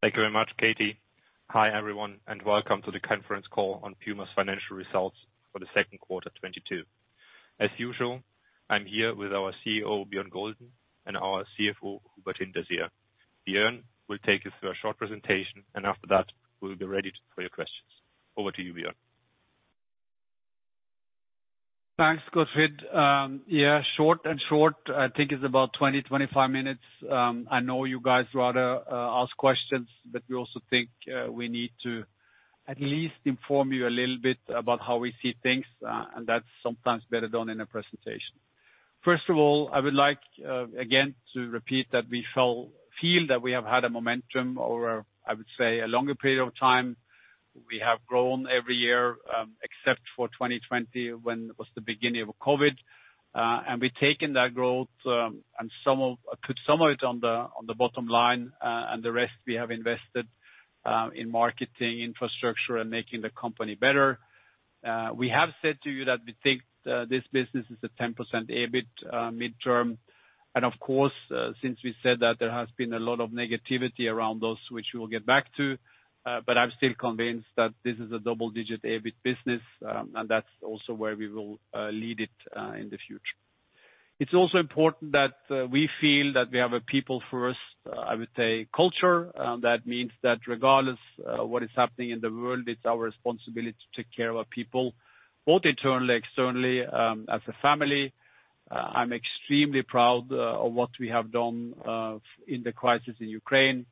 Thank you very much, Katie. Hi, everyone, and welcome to the conference call on PUMA's financial results for the second quarter 2022. As usual, I'm here with our CEO, Björn Gulden, and our CFO, Hubert Hinterseher. Björn will take us through a short presentation, and after that, we'll be ready for your questions. Over to you, Björn. Thanks, Gottfried. Yeah, short and sweet. I think it's about 20-25 minutes. I know you guys rather ask questions, but we also think we need to at least inform you a little bit about how we see things, and that's sometimes better done in a presentation. First of all, I would like again to repeat that we feel that we have had a momentum over, I would say, a longer period of time. We have grown every year, except for 2020, when it was the beginning of COVID. We've taken that growth, and some of it on the bottom line, and the rest we have invested in marketing, infrastructure and making the company better. We have said to you that we think this business is a 10% EBIT midterm. Of course, since we said that, there has been a lot of negativity around those, which we will get back to. I'm still convinced that this is a double-digit EBIT business, and that's also where we will lead it in the future. It's also important that we feel that we have a people first, I would say, culture. That means that regardless of what is happening in the world, it's our responsibility to take care of our people, both internally, externally, as a family. I'm extremely proud of what we have done in the crisis in Ukraine.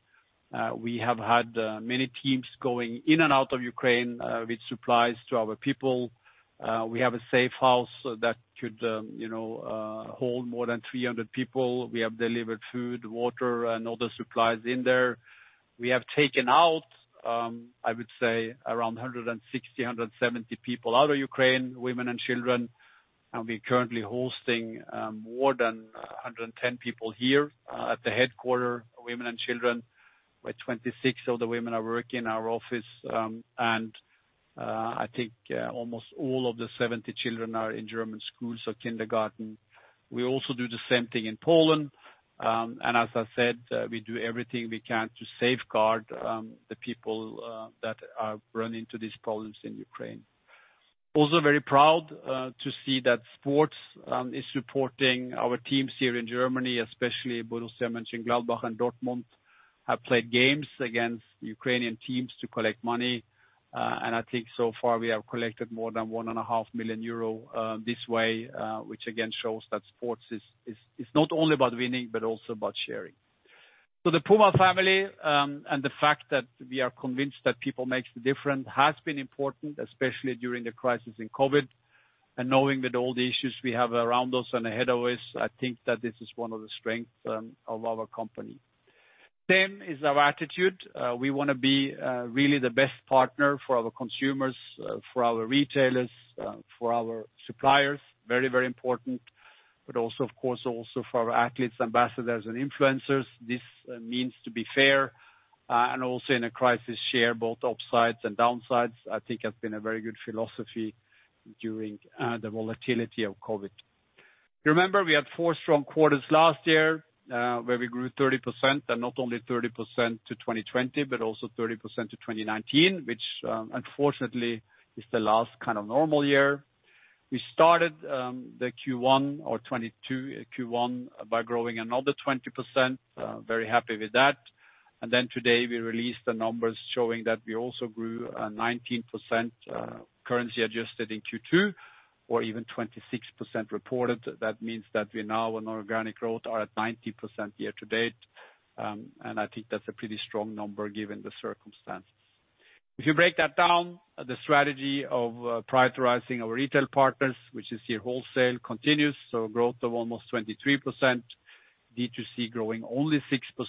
We have had many teams going in and out of Ukraine with supplies to our people. We have a safe house that could hold more than 300 people. We have delivered food, water, and other supplies in there. We have taken out, I would say, around 160-170 people out of Ukraine, women and children. We're currently hosting more than 110 people here at the headquarters, women and children, where 26 of the women are working in our office. I think almost all of the 70 children are in German schools or kindergarten. We also do the same thing in Poland. As I said, we do everything we can to safeguard the people that are running into these problems in Ukraine. Very proud to see that sports is supporting our teams here in Germany, especially Borussia Mönchengladbach and Borussia Dortmund have played games against Ukrainian teams to collect money. I think so far we have collected more than 1.5 million euro this way, which again shows that sports is not only about winning, but also about sharing. The PUMA family and the fact that we are convinced that people makes the difference has been important, especially during the crisis in COVID. Knowing that all the issues we have around us and ahead of us, I think that this is one of the strengths of our company. Same is our attitude. We wanna be really the best partner for our consumers, for our retailers, for our suppliers. Very, very important, but also, of course, also for our athletes, ambassadors, and influencers. This means to be fair, and also in a crisis, share both upsides and downsides, I think has been a very good philosophy during the volatility of COVID. Remember, we had 4 strong quarters last year, where we grew 30%, and not only 30% to 2020, but also 30% to 2019, which unfortunately is the last kind of normal year. We started the Q1 of 2022 by growing another 20%. Very happy with that. Today, we released the numbers showing that we also grew 19% currency adjusted in Q2, or even 26% reported. That means that we now on organic growth are at 90% year to date. I think that's a pretty strong number given the circumstances. If you break that down, the strategy of prioritizing our retail partners, which is our wholesale, continues. Growth of almost 23%. D2C growing only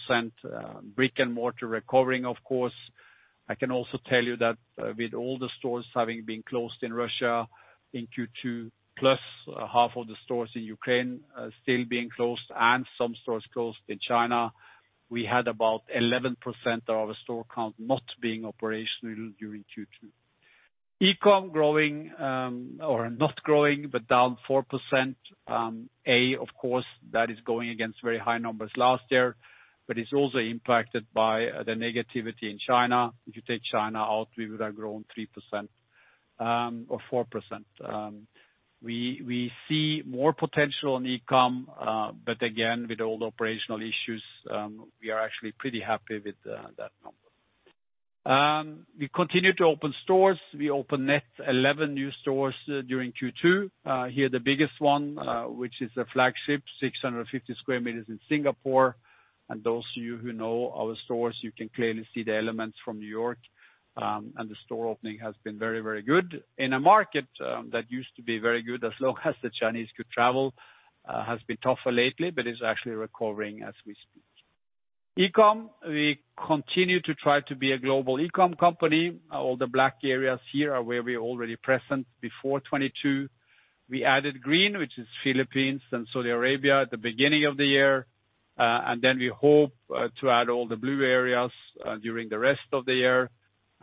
6%. Brick and mortar recovering, of course. I can also tell you that with all the stores having been closed in Russia in Q2, plus half of the stores in Ukraine still being closed and some stores closed in China, we had about 11% of our store count not being operational during Q2. E-com growing, or not growing, but down 4%. Of course, that is going against very high numbers last year, but it's also impacted by the negativity in China. If you take China out, we would have grown 3% or 4%. We see more potential in e-com, but again, with all the operational issues, we are actually pretty happy with that number. We continue to open stores. We opened net 11 new stores during Q2. Here, the biggest one, which is a flagship, 650 square meters in Singapore. Those of you who know our stores, you can clearly see the elements from New York, and the store opening has been very, very good. In a market that used to be very good as long as the Chinese could travel, has been tougher lately, but is actually recovering as we speak. E-com, we continue to try to be a global e-com company. All the black areas here are where we're already present before 2022. We added green, which is Philippines and Saudi Arabia at the beginning of the year. We hope to add all the blue areas during the rest of the year.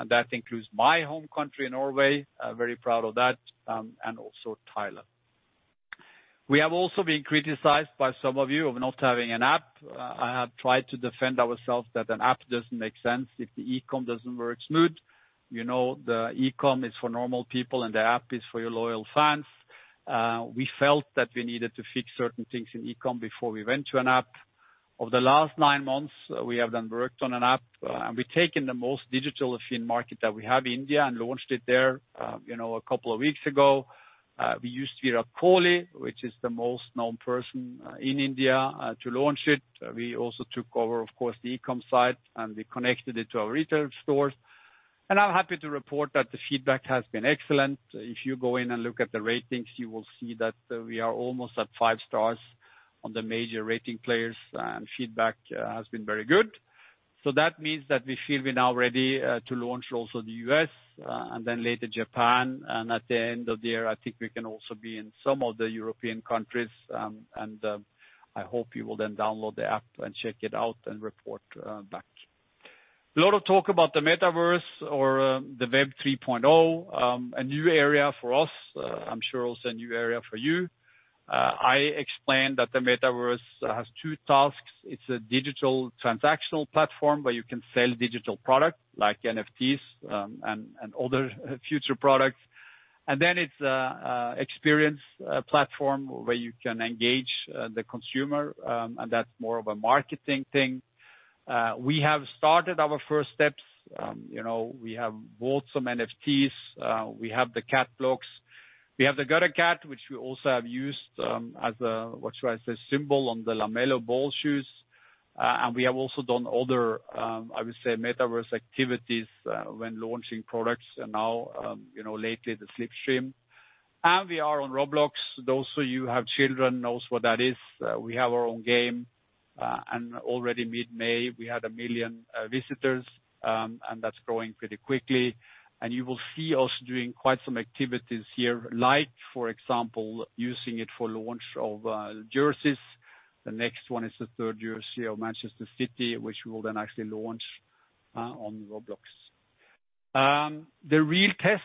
That includes my home country, Norway. Very proud of that, and also Thailand. We have also been criticized by some of you of not having an app. I have tried to defend ourselves that an app doesn't make sense if the e-com doesn't work smooth. You know, the e-com is for normal people, and the app is for your loyal fans. We felt that we needed to fix certain things in e-com before we went to an app. Over the last nine months, we have then worked on an app, and we've taken the most digital-affine market that we have, India, and launched it there, you know, a couple of weeks ago. We used Virat Kohli, which is the most known person, in India, to launch it. We also took over, of course, the e-com site, and we connected it to our retail stores. I'm happy to report that the feedback has been excellent. If you go in and look at the ratings, you will see that, we are almost at five stars on the major rating platforms, and feedback has been very good. That means that we feel we're now ready, to launch also in the U.S., and then later Japan. At the end of the year, I think we can also be in some of the European countries. I hope you will then download the app and check it out and report back. A lot of talk about the Metaverse or the Web 3.0. A new area for us. I'm sure also a new area for you. I explained that the Metaverse has two tasks. It's a digital transactional platform where you can sell digital product like NFTs and other future products. Then it's an experience platform where you can engage the consumer, and that's more of a marketing thing. We have started our first steps. You know, we have bought some NFTs. We have the CatBlox. We have the Gutter Cat, which we also have used as a what should I say symbol on the LaMelo Ball shoes. We have also done other I would say Metaverse activities when launching products and now you know lately the Slipstream. We are on Roblox. Those of you who have children knows what that is. We have our own game and already mid-May we had 1 million visitors and that's growing pretty quickly. You will see us doing quite some activities here, like for example, using it for launch of jerseys. The next one is the third jersey of Manchester City, which we will then actually launch on Roblox. The real test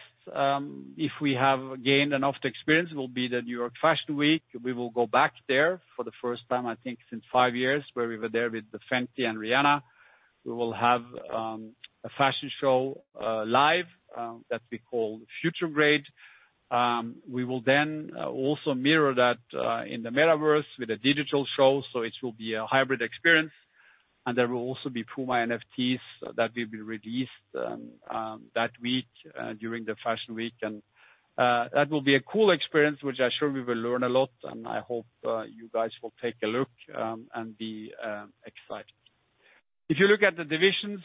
if we have gained enough experience will be the New York Fashion Week. We will go back there for the first time, I think, since five years, where we were there with the Fenty and Rihanna. We will have a fashion show, live, that we call Futrograde. We will then also mirror that in the Metaverse with a digital show, so it will be a hybrid experience, and there will also be PUMA NFTs that will be released that week during the Fashion Week. That will be a cool experience, which I'm sure we will learn a lot, and I hope you guys will take a look and be excited. If you look at the divisions,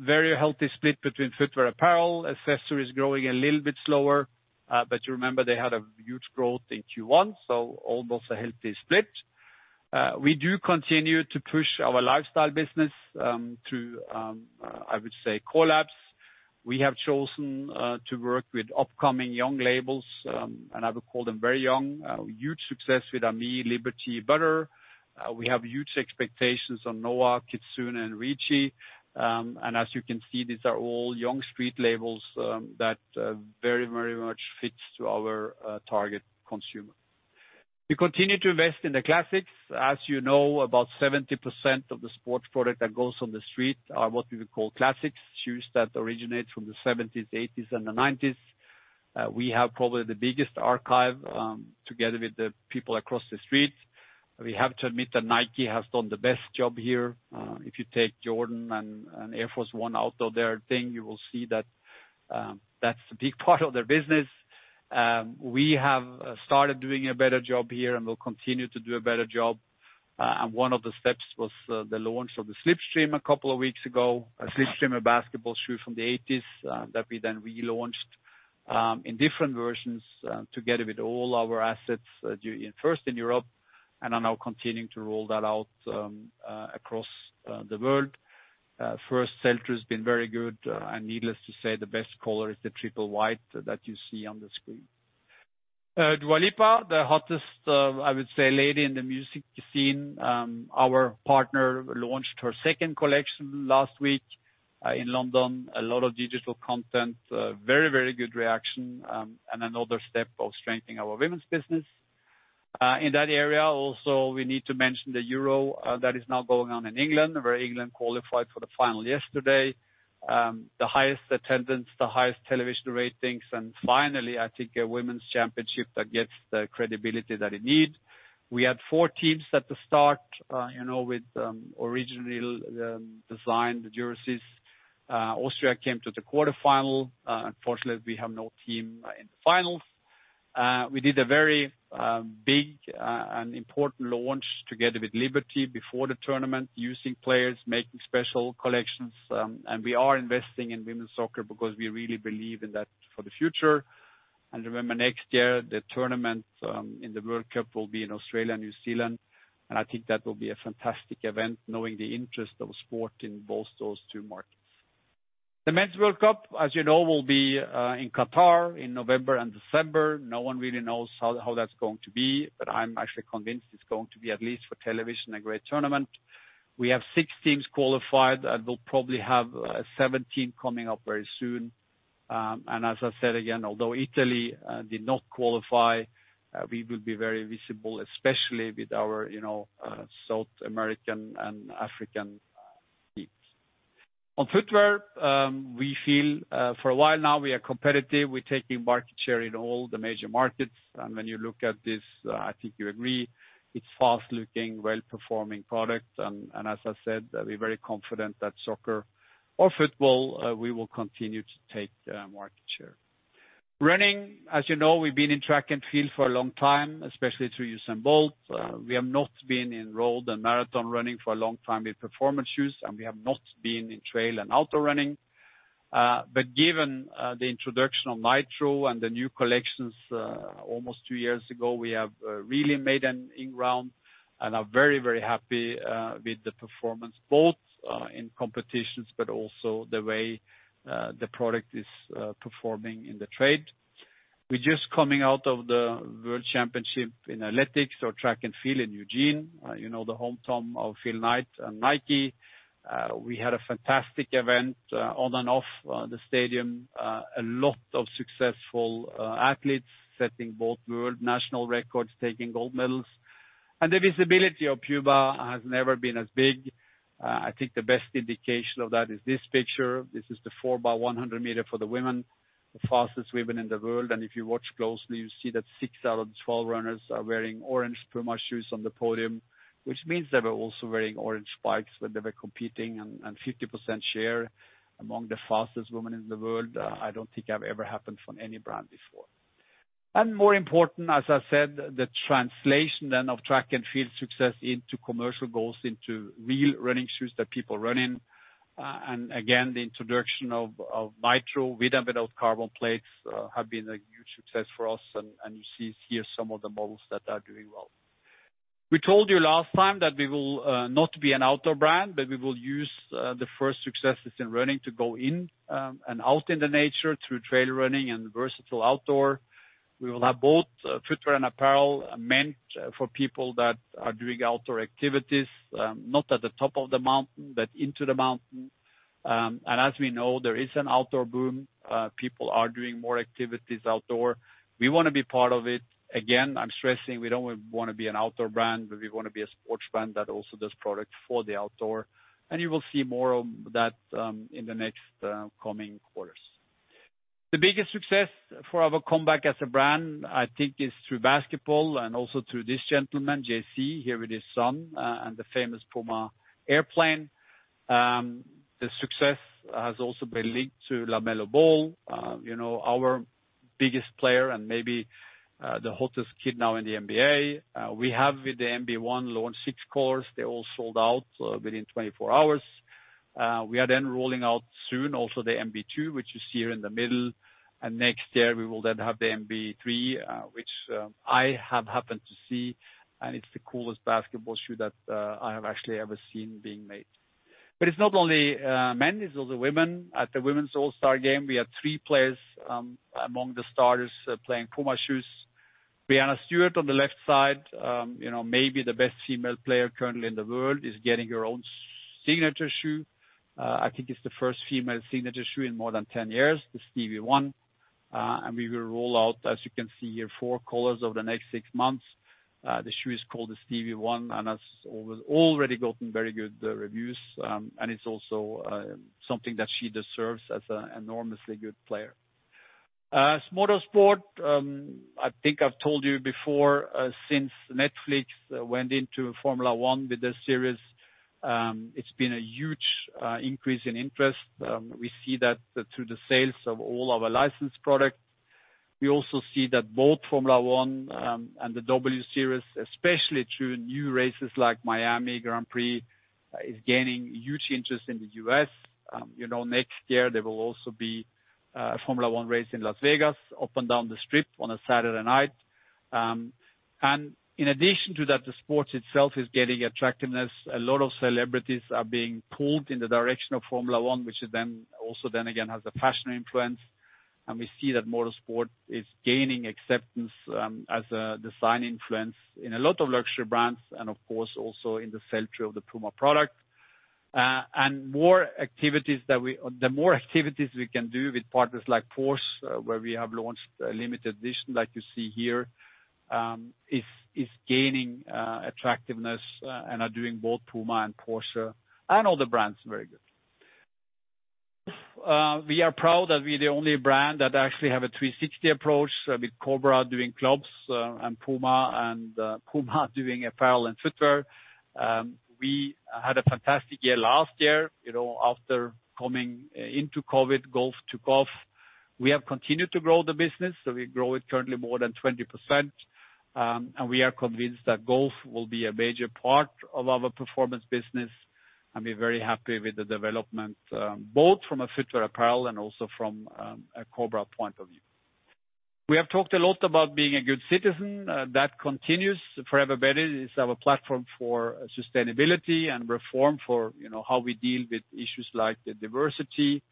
very healthy split between footwear, apparel. Accessory is growing a little bit slower, but you remember they had a huge growth in Q1, so almost a healthy split. We do continue to push our lifestyle business through, I would say collabs. We have chosen to work with upcoming young labels, and I would call them very young. Huge success with Ami, Liberty, Butter. We have huge expectations on Noah, Kitsuné, and Rhuigi. As you can see, these are all young street labels that very, very much fits to our target consumer. We continue to invest in the classics. As you know, about 70% of the sports product that goes on the street are what we would call classics, shoes that originate from the seventies, eighties, and the nineties. We have probably the biggest archive together with the people across the street. We have to admit that Nike has done the best job here. If you take Jordan and Air Force One out of their thing, you will see that that's a big part of their business. We have started doing a better job here, and we'll continue to do a better job. One of the steps was the launch of the Slipstream a couple of weeks ago. Slipstream, a basketball shoe from the eighties, that we then relaunched in different versions together with all our assets first in Europe, and are now continuing to roll that out across the world. First sell-through has been very good. Needless to say, the best color is the triple white that you see on the screen. Dua Lipa, the hottest I would say lady in the music scene. Our partner launched her second collection last week in London. A lot of digital content. Very, very good reaction, and another step of strengthening our women's business. In that area also, we need to mention the Euro that is now going on in England, where England qualified for the final yesterday. The highest attendance, the highest television ratings, and finally, I think, a women's championship that gets the credibility that it need. We had four teams at the start, you know, with originally designed the jerseys. Austria came to the quarterfinal. Unfortunately, we have no team in the finals. We did a very big and important launch together with Liberty before the tournament using players, making special collections. We are investing in women's soccer because we really believe in that for the future. Remember, next year, the tournament in the World Cup will be in Australia and New Zealand, and I think that will be a fantastic event, knowing the interest of sport in both those two markets. The Men's World Cup, as you know, will be in Qatar in November and December. No one really knows how that's going to be, but I'm actually convinced it's going to be, at least for television, a great tournament. We have six teams qualified, and we'll probably have a seventh team coming up very soon. As I said again, although Italy did not qualify, we will be very visible, especially with our, you know, South American and African teams. On footwear, we feel for a while now we are competitive. We're taking market share in all the major markets. When you look at this, I think you agree it's fast-looking, well-performing products. As I said, we're very confident that soccer or football, we will continue to take market share. Running, as you know, we've been in track and field for a long time, especially through Usain Bolt. We have not been enrolled in marathon running for a long time with performance shoes, and we have not been in trail and outdoor running. Given the introduction of Nitro and the new collections almost two years ago, we have really made inroads and are very, very happy with the performance, both in competitions but also the way the product is performing in the trade. We're just coming out of the World Championship in athletics or track and field in Eugene, you know, the hometown of Phil Knight and Nike. We had a fantastic event on and off the stadium. A lot of successful athletes setting both world and national records, taking gold medals. The visibility of PUMA has never been as big. I think the best indication of that is this picture. This is the 4 by 100 meter for the women, the fastest women in the world. If you watch closely, you see that 6 out of the 12 runners are wearing orange PUMA shoes on the podium, which means they were also wearing orange spikes when they were competing. 50% share among the fastest women in the world, I don't think have ever happened from any brand before. More important, as I said, the translation then of track and field success into commercial goals, into real running shoes that people run in, and again, the introduction of Nitro without carbon plates, have been a huge success for us. You see here some of the models that are doing well. We told you last time that we will not be an outdoor brand, but we will use the first successes in running to go in and out in the nature through trail running and versatile outdoor. We will have both footwear and apparel meant for people that are doing outdoor activities, not at the top of the mountain, but into the mountain. As we know, there is an outdoor boom. People are doing more activities outdoors. We wanna be part of it. Again, I'm stressing we don't wanna be an outdoor brand, but we wanna be a sports brand that also does product for the outdoor, and you will see more of that in the next coming quarters. The biggest success for our comeback as a brand, I think, is through basketball and also through this gentleman, Jay-Z, here with his son, and the famous PUMA airplane. The success has also been linked to LaMelo Ball, you know, our biggest player and maybe, the hottest kid now in the NBA. We have with the MB1 launched six colors. They all sold out, within 24 hours. We are then rolling out soon also the MB2, which you see here in the middle. Next year, we will then have the MB3, which, I have happened to see, and it's the coolest basketball shoe that, I have actually ever seen being made. It's not only men, it's also women. At the Women's All-Star game, we had three players, among the starters, playing PUMA shoes. Breanna Stewart on the left side, you know, maybe the best female player currently in the world, is getting her own signature shoe. I think it's the first female signature shoe in more than 10 years, the Stewie 1. We will roll out, as you can see here, 4 colors over the next 6 months. The shoe is called the Stewie 1, and has already gotten very good reviews. It's also something that she deserves as an enormously good player. Motorsport, I think I've told you before, since Netflix went into Formula One with the series, it's been a huge increase in interest. We see that through the sales of all our licensed products. We also see that both Formula One and the W Series, especially through new races like Miami Grand Prix, is gaining huge interest in the U.S. You know, next year there will also be a Formula One race in Las Vegas up and down the strip on a Saturday night. In addition to that, the sport itself is getting attractiveness. A lot of celebrities are being pulled in the direction of Formula One, which also then again has a fashion influence. We see that motorsport is gaining acceptance as a design influence in a lot of luxury brands and of course also in the sell-through of the PUMA product. The more activities we can do with partners like Porsche, where we have launched a limited edition like you see here, is gaining attractiveness, and are doing both PUMA and Porsche and other brands very good. We are proud that we're the only brand that actually have a 360 approach, with Cobra doing clubs, and PUMA doing apparel and footwear. We had a fantastic year last year. You know, after coming into COVID, golf took off. We have continued to grow the business, so we grow it currently more than 20%. We are convinced that golf will be a major part of our performance business, and we're very happy with the development, both from a footwear apparel and also from a Cobra point of view. We have talked a lot about being a good citizen. That continues. Forever Better is our platform for sustainability and reform for, you know, how we deal with issues like diversity.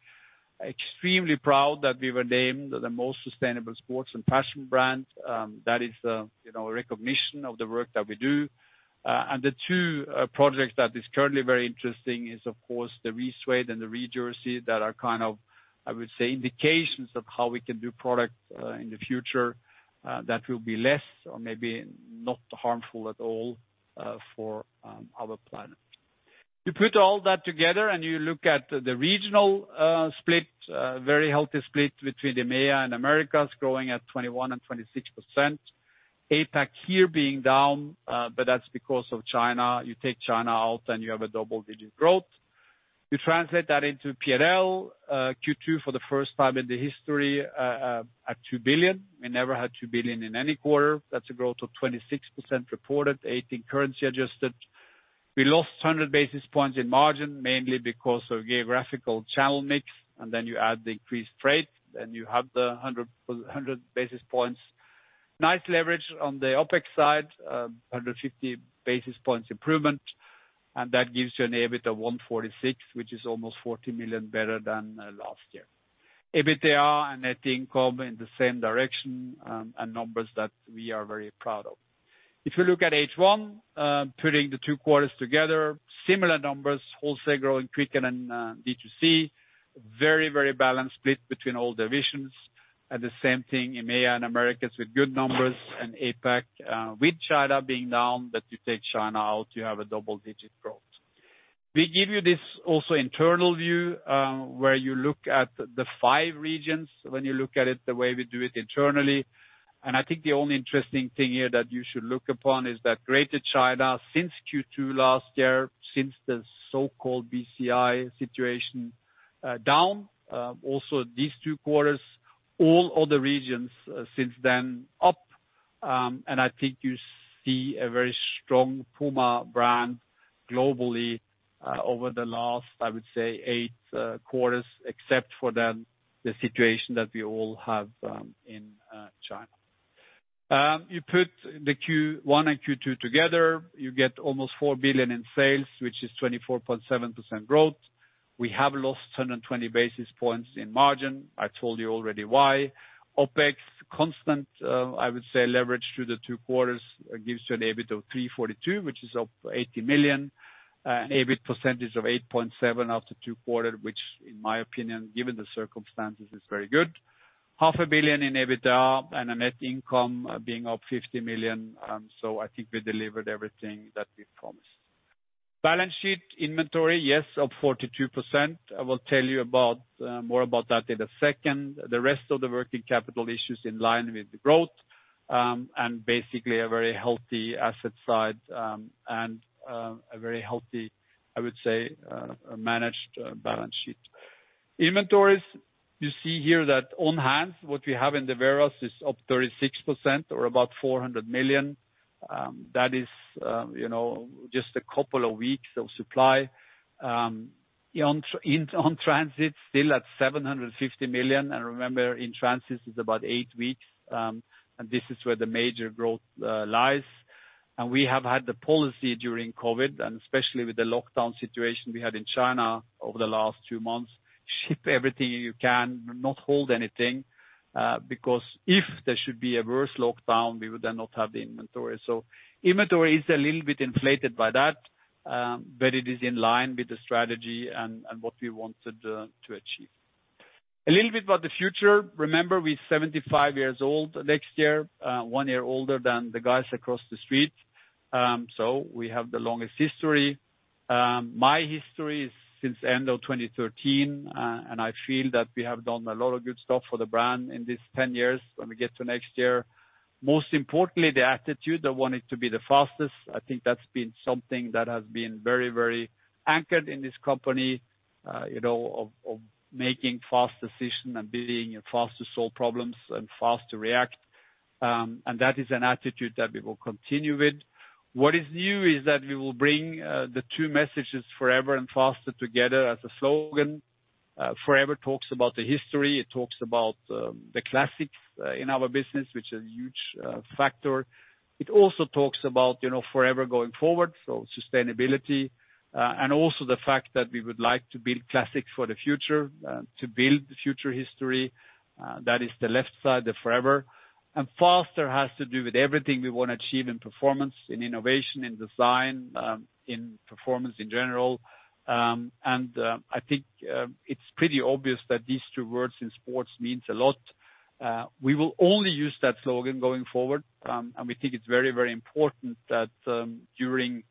Extremely proud that we were named the most sustainable sports and fashion brand. That is, you know, a recognition of the work that we do. The two projects that is currently very interesting is, of course, the RE:SUEDE and the RE:JERSEY that are kind of, I would say, indications of how we can do product in the future that will be less or maybe not harmful at all for our planet. You put all that together and you look at the regional split, very healthy split between the EMEA and Americas growing at 21% and 26%. APAC here being down, but that's because of China. You take China out, then you have a double-digit growth. You translate that into P&L, Q2 for the first time in the history, at 2 billion. We never had 2 billion in any quarter. That's a growth of 26% reported, 18% currency-adjusted. We lost 100 basis points in margin, mainly because of geographical channel mix, and then you add the increased rate, then you have the 100 basis points. Nice leverage on the OpEx side, 150 basis points improvement, and that gives you an EBIT of 146 million, which is almost 40 million better than last year. EBITDA and net income in the same direction, and numbers that we are very proud of. If you look at H1, putting the two quarters together, similar numbers, wholesale growing quicker than D2C. Very, very balanced split between all divisions. The same thing, EMEA and Americas with good numbers and APAC, with China being down, but you take China out, you have a double-digit growth. We give you this also internal view, where you look at the five regions when you look at it the way we do it internally. I think the only interesting thing here that you should look upon is that Greater China since Q2 last year, since the so-called BCI situation, down. Also these two quarters, all other regions since then up. I think you see a very strong PUMA brand globally, over the last, I would say eight quarters, except for the situation that we all have in China. You put the Q1 and Q2 together, you get almost 4 billion in sales, which is 24.7% growth. We have lost 120 basis points in margin. I told you already why. OpEx constant, I would say leverage through the two quarters gives you an EBIT of 342 million, which is up 80 million. An EBIT percentage of 8.7% after two quarters, which in my opinion, given the circumstances, is very good. Half a billion EUR in EBITDA and a net income being up 50 million. I think we delivered everything that we promised. Balance sheet inventory, yes, up 42%. I will tell you more about that in a second. The rest of the working capital issues in line with the growth, and basically a very healthy asset side, and a very healthy, I would say, managed balance sheet. Inventories, you see here that on-hand, what we have in the warehouses is up 36% or about 400 million. That is, you know, just a couple of weeks of supply. On transit, still at 750 million. Remember, in transit is about eight weeks, and this is where the major growth lies. We have had the policy during COVID, and especially with the lockdown situation we had in China over the last two months, ship everything you can, not hold anything, because if there should be a worse lockdown, we would then not have the inventory. Inventory is a little bit inflated by that, but it is in line with the strategy and what we wanted to achieve. A little bit about the future. Remember, we're 75 years old next year, one year older than the guys across the street. We have the longest history. My history is since end of 2013, and I feel that we have done a lot of good stuff for the brand in these 10 years when we get to next year. Most importantly, the attitude, I want it to be the fastest. I think that's been something that has been very, very anchored in this company, you know, of making fast decision and being fast to solve problems and fast to react. That is an attitude that we will continue with. What is new is that we will bring the two messages forever and faster together as a slogan. Forever talks about the history. It talks about the classics in our business, which is a huge factor. It also talks about, you know, forever going forward, so sustainability, and also the fact that we would like to build classics for the future to build the future history. That is the left side, the Forever. Faster has to do with everything we wanna achieve in performance, in innovation, in design, in performance in general. I think it's pretty obvious that these two words in sports means a lot. We will only use that slogan going forward. We think it's very, very important that, during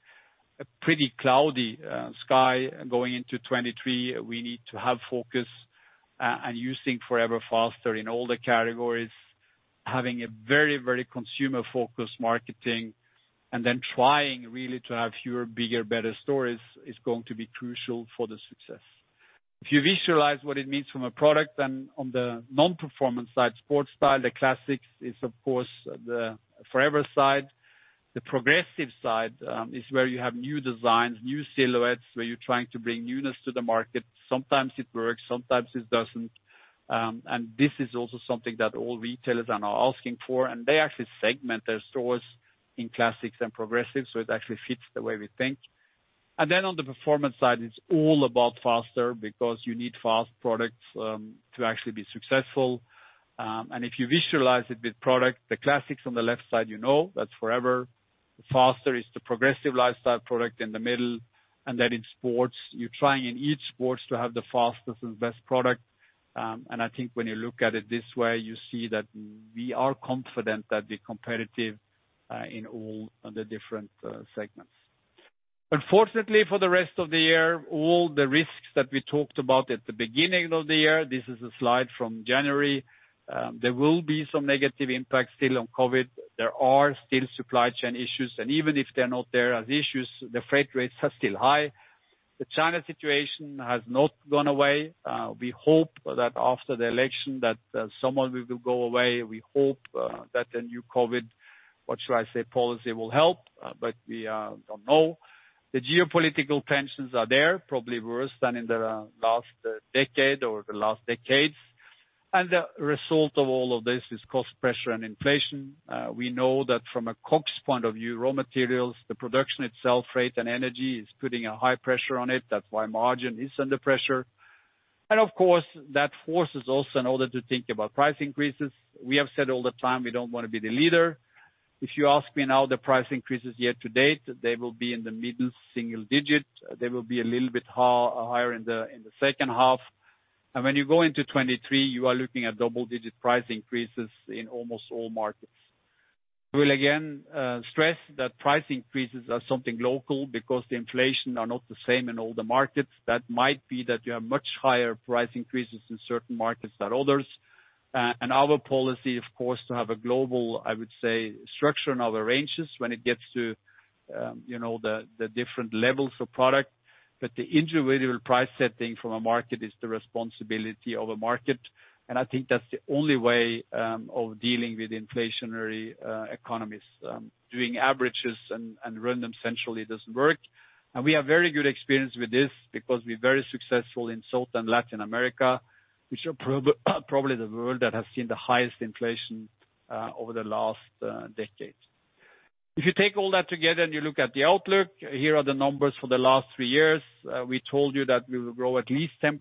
a pretty cloudy sky going into 2023, we need to have focus, and using Forever Faster in all the categories, having a very, very consumer-focused marketing, and then trying really to have fewer, bigger, better stores is going to be crucial for the success. If you visualize what it means from a product and on the non-performance side, sports style, the classics is of course, the forever side. The progressive side is where you have new designs, new silhouettes, where you're trying to bring newness to the market. Sometimes it works, sometimes it doesn't. This is also something that all retailers are now asking for, and they actually segment their stores in classics and progressive, so it actually fits the way we think. Then on the performance side, it's all about faster because you need fast products to actually be successful. If you visualize it with product, the classics on the left side you know, that's forever. The faster is the progressive lifestyle product in the middle, and then in sports, you're trying in each sports to have the fastest and best product. I think when you look at it this way, you see that we are confident that we're competitive in all the different segments. Unfortunately for the rest of the year, all the risks that we talked about at the beginning of the year. This is a slide from January. There will be some negative impacts still on COVID. There are still supply chain issues, and even if they're not there as issues, the freight rates are still high. The China situation has not gone away. We hope that after the election that some of it will go away. We hope that the new COVID, what should I say, policy will help, but we don't know. The geopolitical tensions are there, probably worse than in the last decade or the last decades. The result of all of this is cost pressure and inflation. We know that from a cost point of view, raw materials, the production itself, freight and energy is putting a high pressure on it. That's why margin is under pressure. Of course, that forces us in order to think about price increases. We have said all the time we don't wanna be the leader. If you ask me now, the price increases year to date, they will be in the mid-single digit. They will be a little bit higher in the second half. When you go into 2023, you are looking at double-digit price increases in almost all markets. We will again stress that price increases are something local because the inflation are not the same in all the markets. That might be that you have much higher price increases in certain markets than others. Our policy, of course, to have a global, I would say, structure in our ranges when it gets to the different levels of product. The individual price setting from a market is the responsibility of a market. I think that's the only way of dealing with inflationary economies. Doing averages and random essentially doesn't work. We have very good experience with this because we're very successful in South and Latin America, which are probably the world that has seen the highest inflation over the last decade. If you take all that together and you look at the outlook, here are the numbers for the last three years. We told you that we will grow at least 10%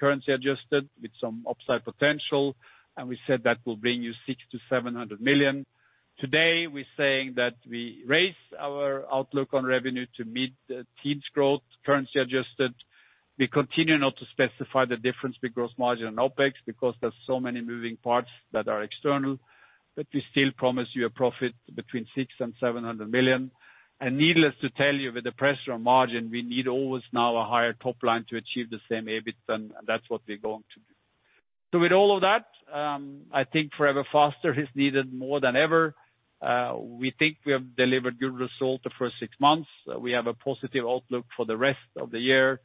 currency adjusted with some upside potential, and we said that will bring you 600 million-700 million. Today, we're saying that we raise our outlook on revenue to mid- to teens% growth, currency adjusted. We continue not to specify the difference with gross margin and OpEx because there's so many moving parts that are external, but we still promise you a profit between 600 million and 700 million. Needless to tell you, with the pressure on margin, we need always now a higher top line to achieve the same EBIT, and that's what we're going to do. With all of that, I think Forever Faster is needed more than ever. We think we have delivered good results the first six months. We have a positive outlook for the rest of the year.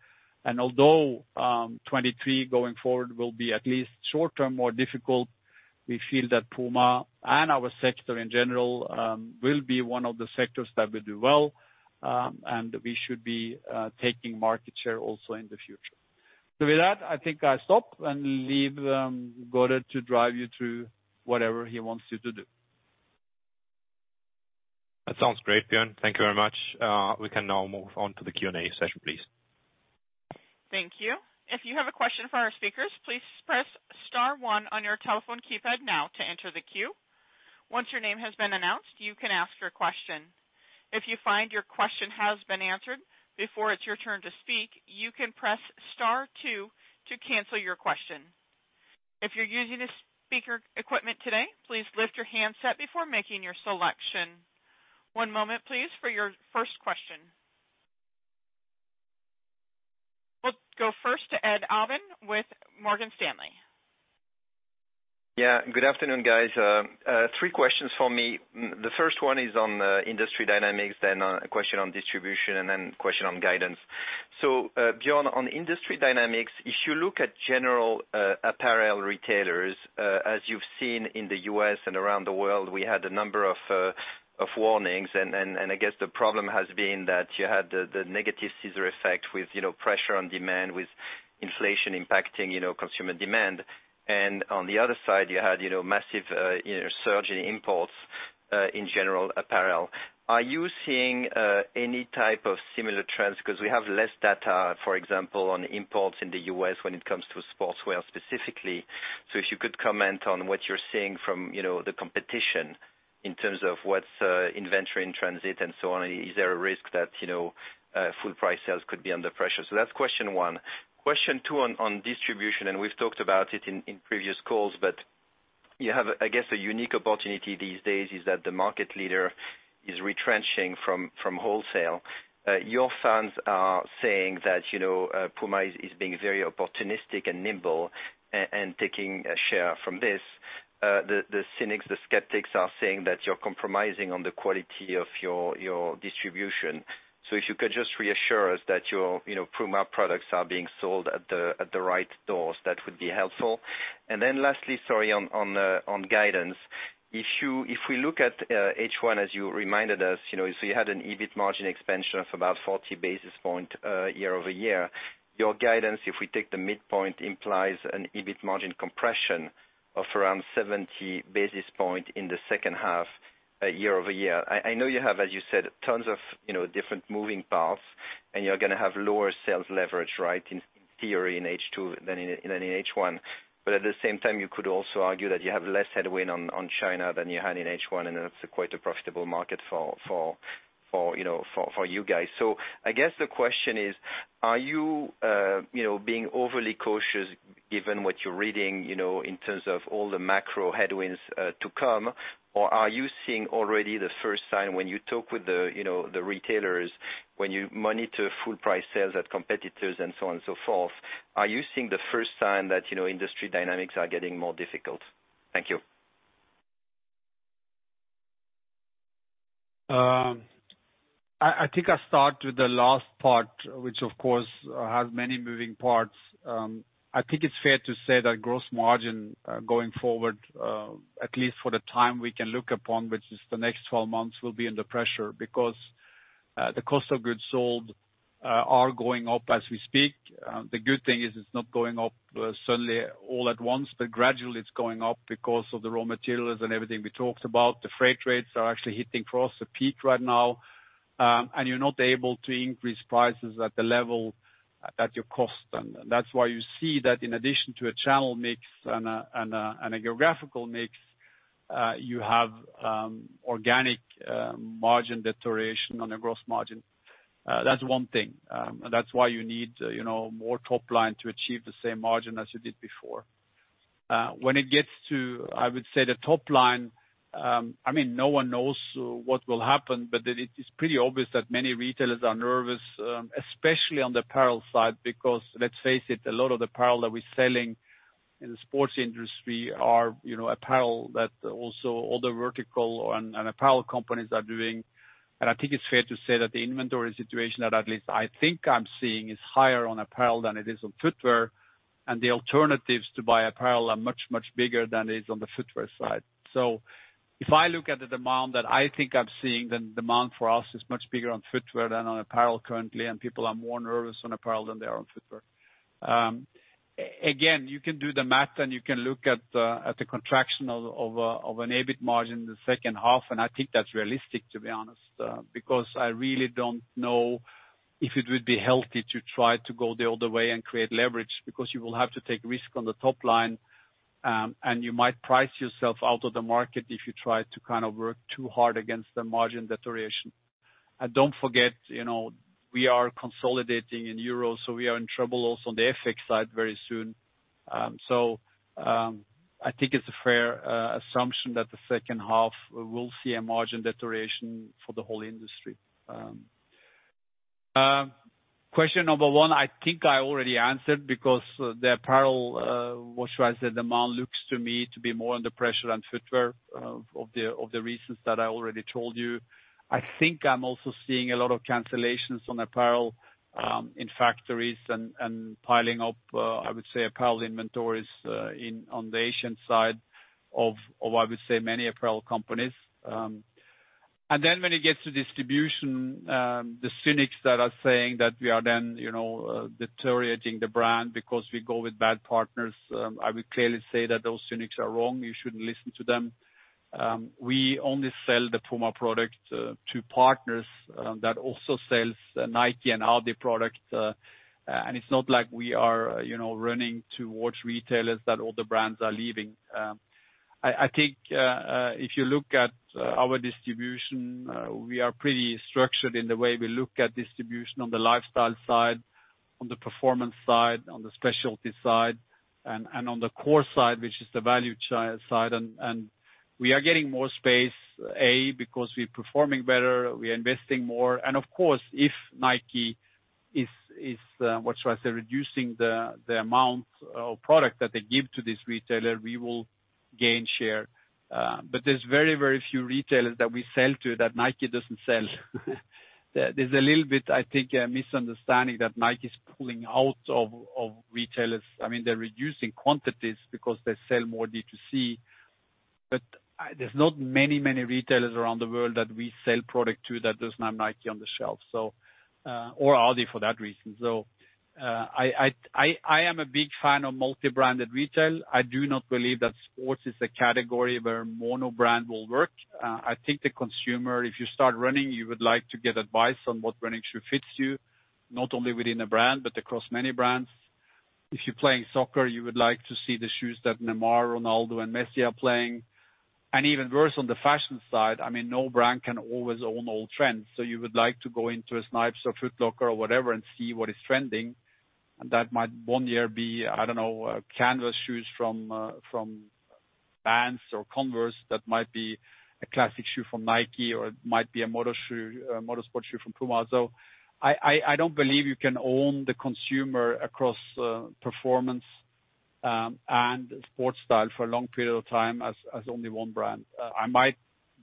Although 2023 going forward will be at least short term more difficult, we feel that PUMA and our sector in general will be one of the sectors that will do well, and we should be taking market share also in the future. With that, I think I stop and leave Gottfried to drive you through whatever he wants you to do. That sounds great, Björn. Thank you very much. We can now move on to the Q&A session, please. Thank you. If you have a question for our speakers, please press star one on your telephone keypad now to enter the queue. Once your name has been announced, you can ask your question. If you find your question has been answered before it's your turn to speak, you can press star two to cancel your question. If you're using a speakerphone today, please lift your handset before making your selection. One moment please for your first question. We'll go first to Edouard Aubin with Morgan Stanley. Yeah. Good afternoon, guys. Three questions for me. The first one is on industry dynamics, then a question on distribution, and then question on guidance. Björn, on industry dynamics, if you look at general apparel retailers, as you've seen in the U.S. and around the world, we had a number of warnings. I guess the problem has been that you had the negative scissor effect with, you know, pressure on demand, with inflation impacting, you know, consumer demand. On the other side, you had, you know, massive surge in imports in general apparel. Are you seeing any type of similar trends? 'Cause we have less data, for example, on imports in the U.S. when it comes to sportswear specifically. If you could comment on what you're seeing from, you know, the competition in terms of what's inventory in transit and so on. Is there a risk that, you know, full price sales could be under pressure? That's question one. Question two on distribution, and we've talked about it in previous calls, but you have, I guess, a unique opportunity these days, is that the market leader is retrenching from wholesale. Your fans are saying that, you know, PUMA is being very opportunistic and nimble and taking a share from this. The cynics, the skeptics are saying that you're compromising on the quality of your distribution. If you could just reassure us that your PUMA products are being sold at the right doors, that would be helpful. Then lastly, sorry, on guidance. If we look at H1, as you reminded us, you know, you had an EBIT margin expansion of about 40 basis points year-over-year. Your guidance, if we take the midpoint, implies an EBIT margin compression of around 70 basis points in the second half year-over-year. I know you have, as you said, tons of, you know, different moving parts, and you're gonna have lower sales leverage, right, in theory in H2 than in H1. At the same time, you could also argue that you have less headwind on China than you had in H1, and that's quite a profitable market for you know, for you guys. So I guess the question is, are you being overly cautious given what you're reading you know, in terms of all the macro headwinds to come? Or are you seeing already the first sign when you talk with the you know, the retailers, when you monitor full price sales at competitors and so on and so forth, are you seeing the first sign that you know, industry dynamics are getting more difficult? Thank you. I think I start with the last part, which of course has many moving parts. I think it's fair to say that gross margin going forward, at least for the time we can look upon, which is the next 12 months, will be under pressure because the cost of goods sold are going up as we speak. The good thing is it's not going up suddenly all at once, but gradually it's going up because of the raw materials and everything we talked about. The freight rates are actually hitting across the peak right now, and you're not able to increase prices at the level at your cost. That's why you see that in addition to a channel mix and a geographical mix, you have organic margin deterioration on a gross margin. That's one thing. That's why you need, you know, more top line to achieve the same margin as you did before. When it gets to, I would say, the top line, I mean, no one knows what will happen, but it's pretty obvious that many retailers are nervous, especially on the apparel side, because let's face it, a lot of the apparel that we're selling in the sports industry are, you know, apparel that also all the vertical and apparel companies are doing. I think it's fair to say that the inventory situation that at least I think I'm seeing is higher on apparel than it is on footwear, and the alternatives to buy apparel are much, much bigger than it is on the footwear side. If I look at the demand that I think I'm seeing, the demand for us is much bigger on footwear than on apparel currently, and people are more nervous on apparel than they are on footwear. Again, you can do the math, and you can look at the contraction of an EBIT margin in the second half, and I think that's realistic, to be honest, because I really don't know if it would be healthy to try to go the other way and create leverage, because you will have to take risk on the top line, and you might price yourself out of the market if you try to kind of work too hard against the margin deterioration. Don't forget, you know, we are consolidating in euro, so we are in trouble also on the FX side very soon. I think it's a fair assumption that the second half we will see a margin deterioration for the whole industry. Question number one, I think I already answered because the apparel, what should I say? Demand looks to me to be more under pressure than footwear of the reasons that I already told you. I think I'm also seeing a lot of cancellations on apparel in factories and piling up, I would say apparel inventories in on the Asian side of I would say many apparel companies. Then when it gets to distribution, the cynics that are saying that we are then, you know, deteriorating the brand because we go with bad partners, I would clearly say that those cynics are wrong. You shouldn't listen to them. We only sell the PUMA product to partners that also sell Nike and adidas products. It's not like we are, you know, running towards retailers that all the brands are leaving. I think if you look at our distribution, we are pretty structured in the way we look at distribution on the lifestyle side, on the performance side, on the specialty side, and on the core side, which is the value channel side. We are getting more space because we're performing better, we are investing more, and of course, if Nike is, what should I say, reducing the amount of product that they give to this retailer, we will gain share. But there's very few retailers that we sell to that Nike doesn't sell. There's a little bit, I think, a misunderstanding that Nike's pulling out of retailers. I mean, they're reducing quantities because they sell more D2C, but there's not many retailers around the world that we sell product to that does not have Nike on the shelf, so or adidas for that reason. I am a big fan of multi-branded retail. I do not believe that sports is a category where mono brand will work. I think the consumer, if you start running, you would like to get advice on what running shoe fits you, not only within a brand, but across many brands. If you're playing soccer, you would like to see the shoes that Neymar, Ronaldo, and Messi are playing. Even worse on the fashion side, I mean, no brand can always own all trends. You would like to go into a Snipes or Foot Locker or whatever and see what is trending. That might one year be, I don't know, canvas shoes from Vans or Converse, that might be a classic shoe from Nike, or it might be a motor shoe, a motor sport shoe from PUMA. I don't believe you can own the consumer across performance and sport style for a long period of time as only one brand. I might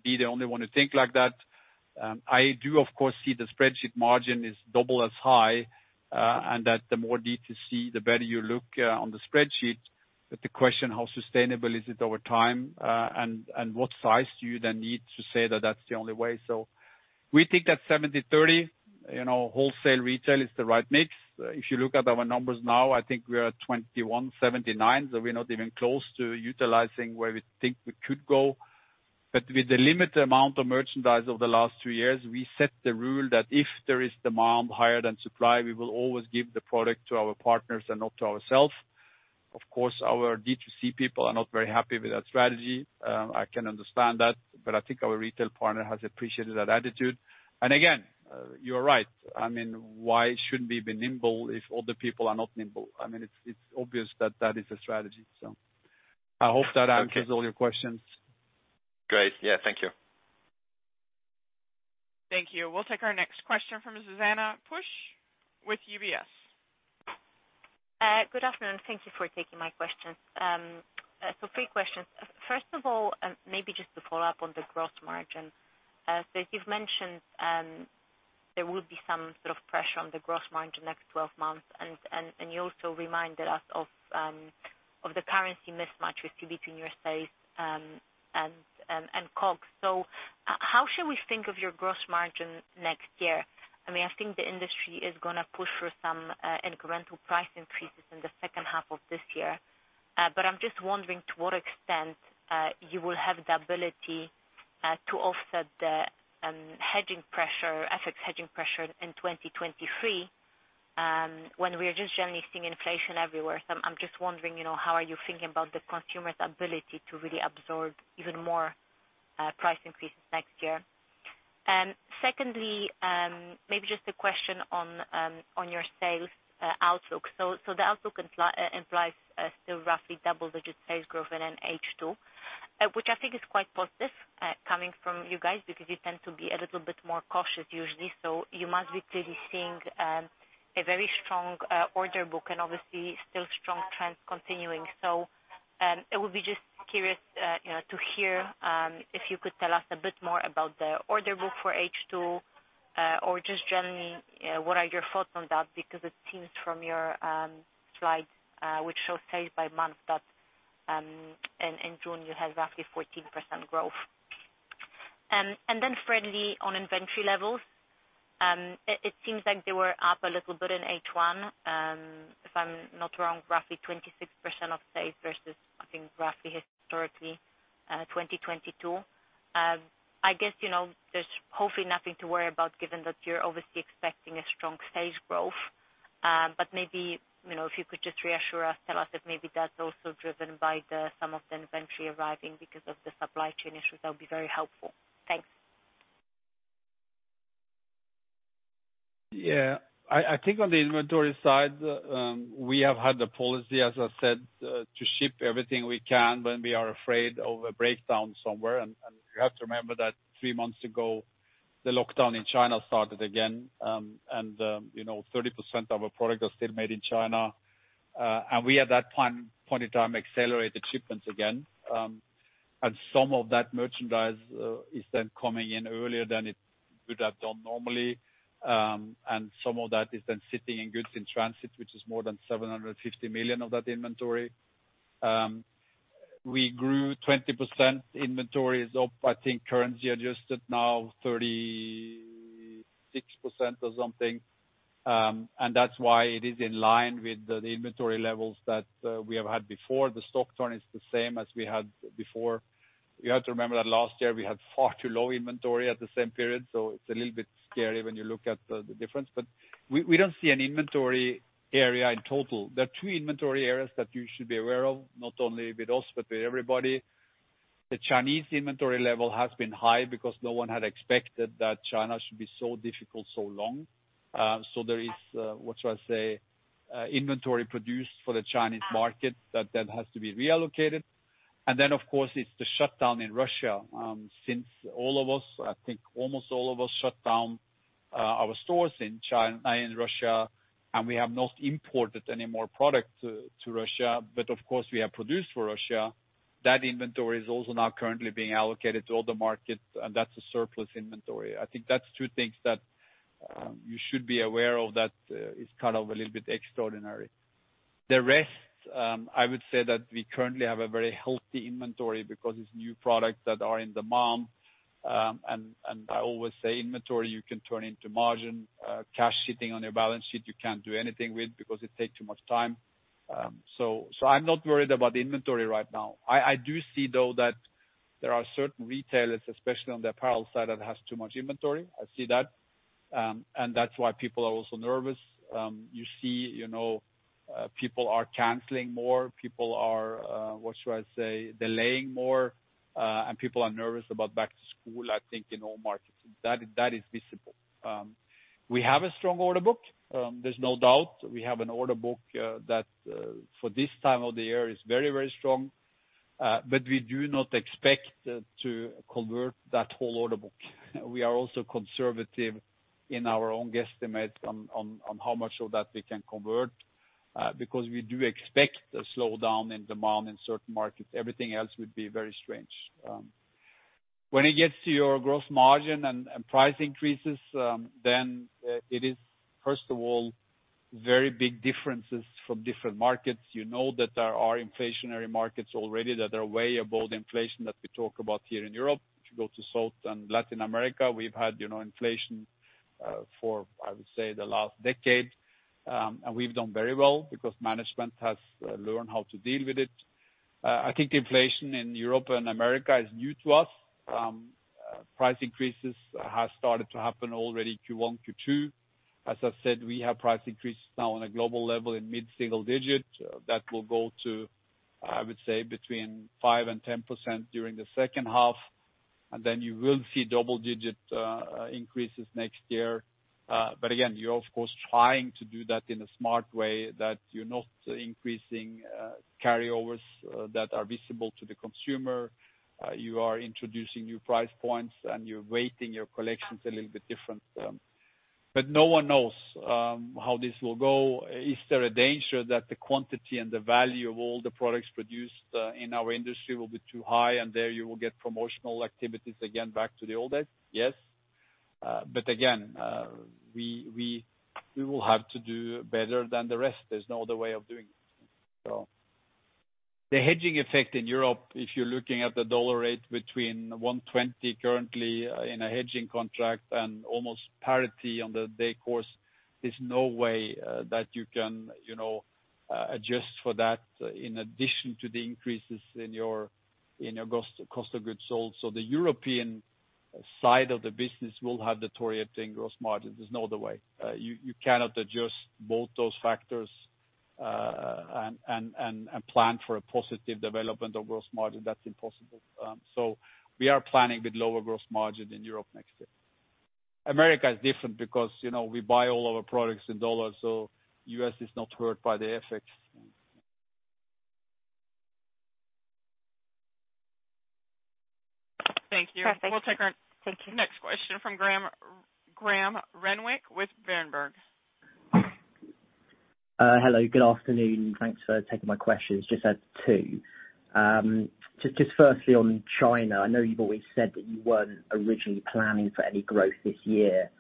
be the only one who think like that. I do of course see the spreadsheet margin is double as high and that the more D2C, the better you look on the spreadsheet. The question, how sustainable is it over time? What size do you then need to say that that's the only way? We think that 70/30, you know, wholesale retail is the right mix. If you look at our numbers now, I think we are at 21/79, so we're not even close to utilizing where we think we could go. With the limited amount of merchandise over the last two years, we set the rule that if there is demand higher than supply, we will always give the product to our partners and not to ourselves. Of course, our D2C people are not very happy with that strategy. I can understand that, but I think our retail partner has appreciated that attitude. Again, you are right. I mean, why shouldn't we be nimble if other people are not nimble? I mean, it's obvious that that is a strategy. I hope that answers all your questions. Great. Yeah, thank you. Thank you. We'll take our next question from Zuzanna Pusz with UBS. Good afternoon. Thank you for taking my questions. Three questions. First of all, maybe just to follow up on the gross margin. You've mentioned there will be some sort of pressure on the gross margin next 12 months. You also reminded us of the currency mismatch between your sales and COGS. How should we think of your gross margin next year? I mean, I think the industry is gonna push for some incremental price increases in the second half of this year. I'm just wondering to what extent you will have the ability to offset the hedging pressure, FX hedging pressure in 2023, when we are just generally seeing inflation everywhere. I'm just wondering, you know, how are you thinking about the consumer's ability to really absorb even more price increases next year? Secondly, maybe just a question on your sales outlook. The outlook implies still roughly double-digit sales growth in H2, which I think is quite positive, coming from you guys because you tend to be a little bit more cautious usually. You must be clearly seeing a very strong order book and obviously still strong trends continuing. I would be just curious, you know, to hear if you could tell us a bit more about the order book for H2, or just generally, what are your thoughts on that? Because it seems from your slides which show sales by month that in June you had roughly 14% growth. Then thirdly, on inventory levels, it seems like they were up a little bit in H1, if I'm not wrong, roughly 26% of sales versus I think roughly historically 2022. I guess, you know, there's hopefully nothing to worry about given that you're obviously expecting a strong sales growth. Maybe, you know, if you could just reassure us, tell us if maybe that's also driven by some of the inventory arriving because of the supply chain issues. That would be very helpful. Thanks. Yeah. I think on the inventory side, we have had the policy, as I said, to ship everything we can when we are afraid of a breakdown somewhere. You have to remember that three months ago, the lockdown in China started again, and you know, 30% of our products are still made in China. We at that time, point in time accelerated shipments again. Some of that merchandise is then coming in earlier than it would have done normally. Some of that is then sitting in goods in transit, which is more than 750 million of that inventory. We grew inventories up 20%, I think currency adjusted now 36% or something. That's why it is in line with the inventory levels that we have had before. The stock turn is the same as we had before. You have to remember that last year we had far too low inventory at the same period, so it's a little bit scary when you look at the difference. We don't see an inventory area in total. There are two inventory areas that you should be aware of, not only with us, but with everybody. The Chinese inventory level has been high because no one had expected that China should be so difficult so long. There is inventory produced for the Chinese market that then has to be reallocated. Of course, it's the shutdown in Russia. Since all of us, I think almost all of us shut down our stores in Russia, and we have not imported any more product to Russia, but of course we have produced for Russia. That inventory is also now currently being allocated to other markets, and that's a surplus inventory. I think that's two things that you should be aware of that is kind of a little bit extraordinary. The rest, I would say that we currently have a very healthy inventory because it's new products that are in demand. I always say inventory you can turn into margin, cash sitting on your balance sheet, you can't do anything with because it takes too much time. I'm not worried about the inventory right now. I do see though that there are certain retailers, especially on the apparel side, that has too much inventory. I see that. That's why people are also nervous. You see, you know, people are canceling more. People are what should I say, delaying more. People are nervous about back to school, I think in all markets. That is visible. We have a strong order book. There's no doubt we have an order book that for this time of the year is very, very strong. We do not expect to convert that whole order book. We are also conservative in our own guesstimates on how much of that we can convert. Because we do expect a slowdown in demand in certain markets. Everything else would be very strange. When it gets to your gross margin and price increases, then it is first of all very big differences from different markets. You know that there are inflationary markets already that are way above the inflation that we talk about here in Europe. If you go to South and Latin America, we've had, you know, inflation for I would say the last decade. We've done very well because management has learned how to deal with it. I think inflation in Europe and America is new to us. Price increases have started to happen already Q1, Q2. As I said, we have price increases now on a global level in mid-single-digit that will go to, I would say, between 5% and 10% during the second half, and then you will see double-digit increases next year. Again, you're of course trying to do that in a smart way that you're not increasing carryovers that are visible to the consumer. You are introducing new price points, and you're weighting your collections a little bit different. No one knows how this will go. Is there a danger that the quantity and the value of all the products produced in our industry will be too high, and there you will get promotional activities again back to the old days? Yes. Again, we will have to do better than the rest. There's no other way of doing it, so. The hedging effect in Europe, if you're looking at the dollar rate between 1.20 currently in a hedging contract and almost parity on the day course, there's no way that you can, you know, adjust for that in addition to the increases in your cost of goods sold. The European side of the business will have deteriorating gross margin. There's no other way. You cannot adjust both those factors and plan for a positive development of gross margin. That's impossible. We are planning with lower gross margin in Europe next year. America is different because, you know, we buy all our products in dollars, so US is not hurt by the effects. Thank you. Perfect. Thank you. We'll take our next question from Graham Renwick with Berenberg. Hello, good afternoon. Thanks for taking my questions. Just had two. Just firstly on China, I know you've always said that you weren't originally planning for any growth this year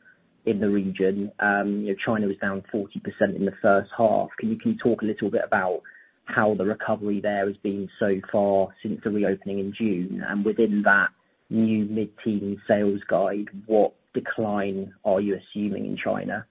in the region. You know, China was down 40% in the first half. Can you talk a little bit about how the recovery there has been so far since the reopening in June? And within that new mid-teen sales guide, what decline are you assuming in China?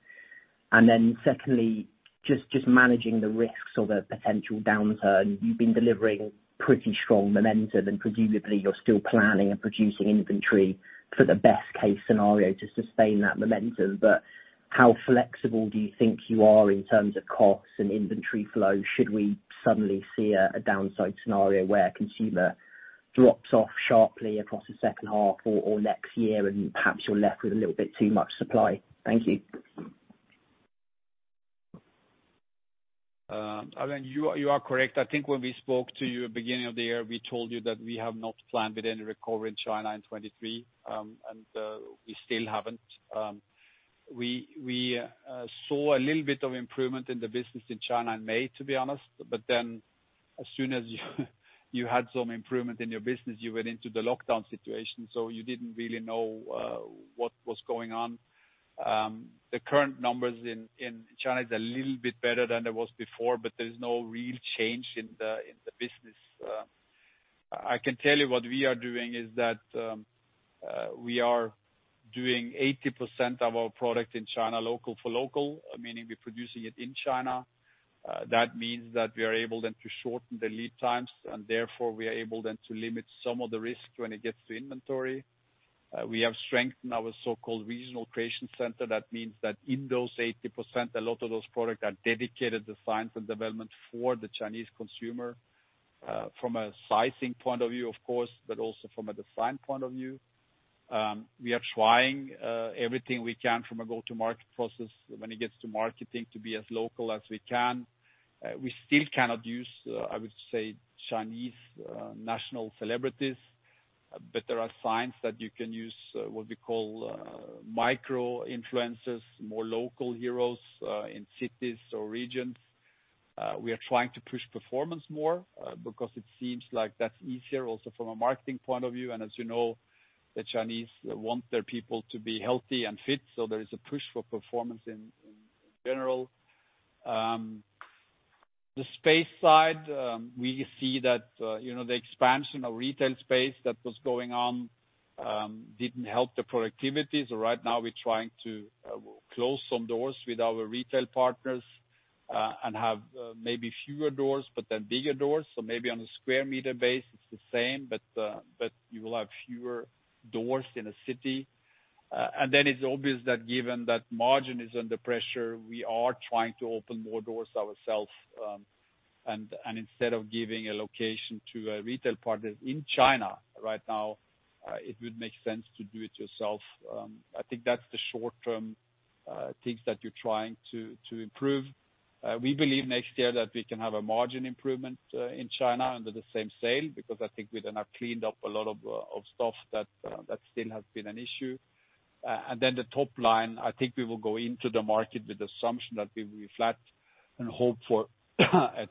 And then secondly, just managing the risks of a potential downturn. You've been delivering pretty strong momentum, and presumably you're still planning and producing inventory for the best case scenario to sustain that momentum. How flexible do you think you are in terms of costs and inventory flow should we suddenly see a downside scenario where consumer drops off sharply across the second half or next year and perhaps you're left with a little bit too much supply? Thank you. I mean, you are correct. I think when we spoke to you at beginning of the year, we told you that we have not planned with any recovery in China in 2023, and we still haven't. We saw a little bit of improvement in the business in China in May, to be honest, but then as soon as you had some improvement in your business, you went into the lockdown situation, so you didn't really know what was going on. The current numbers in China is a little bit better than it was before, but there's no real change in the business. I can tell you what we are doing is that we are doing 80% of our product in China local for local, meaning we're producing it in China. That means that we are able then to shorten the lead times, and therefore we are able then to limit some of the risk when it gets to inventory. We have strengthened our so-called regional creation center. That means that in those 80%, a lot of those products are dedicated designs and development for the Chinese consumer, from a sizing point of view, of course, but also from a design point of view. We are trying everything we can from a go-to-market process when it gets to marketing to be as local as we can. We still cannot use, I would say Chinese national celebrities, but there are signs that you can use what we call micro-influencers, more local heroes in cities or regions. We are trying to push performance more, because it seems like that's easier also from a marketing point of view. As you know, the Chinese want their people to be healthy and fit, so there is a push for performance in general. On the space side, we see that, you know, the expansion of retail space that was going on, didn't help the productivity. Right now we're trying to close some doors with our retail partners, and have maybe fewer doors but then bigger doors. Maybe on a square meter basis it's the same, but you will have fewer doors in a city. It's obvious that given that margin is under pressure, we are trying to open more doors ourselves, and instead of giving a location to a retail partner in China right now, it would make sense to do it yourself. I think that's the short-term things that you're trying to improve. We believe next year that we can have a margin improvement in China under the same sales, because I think we then have cleaned up a lot of stuff that still has been an issue. The top line, I think we will go into the market with the assumption that we will be flat and hope for a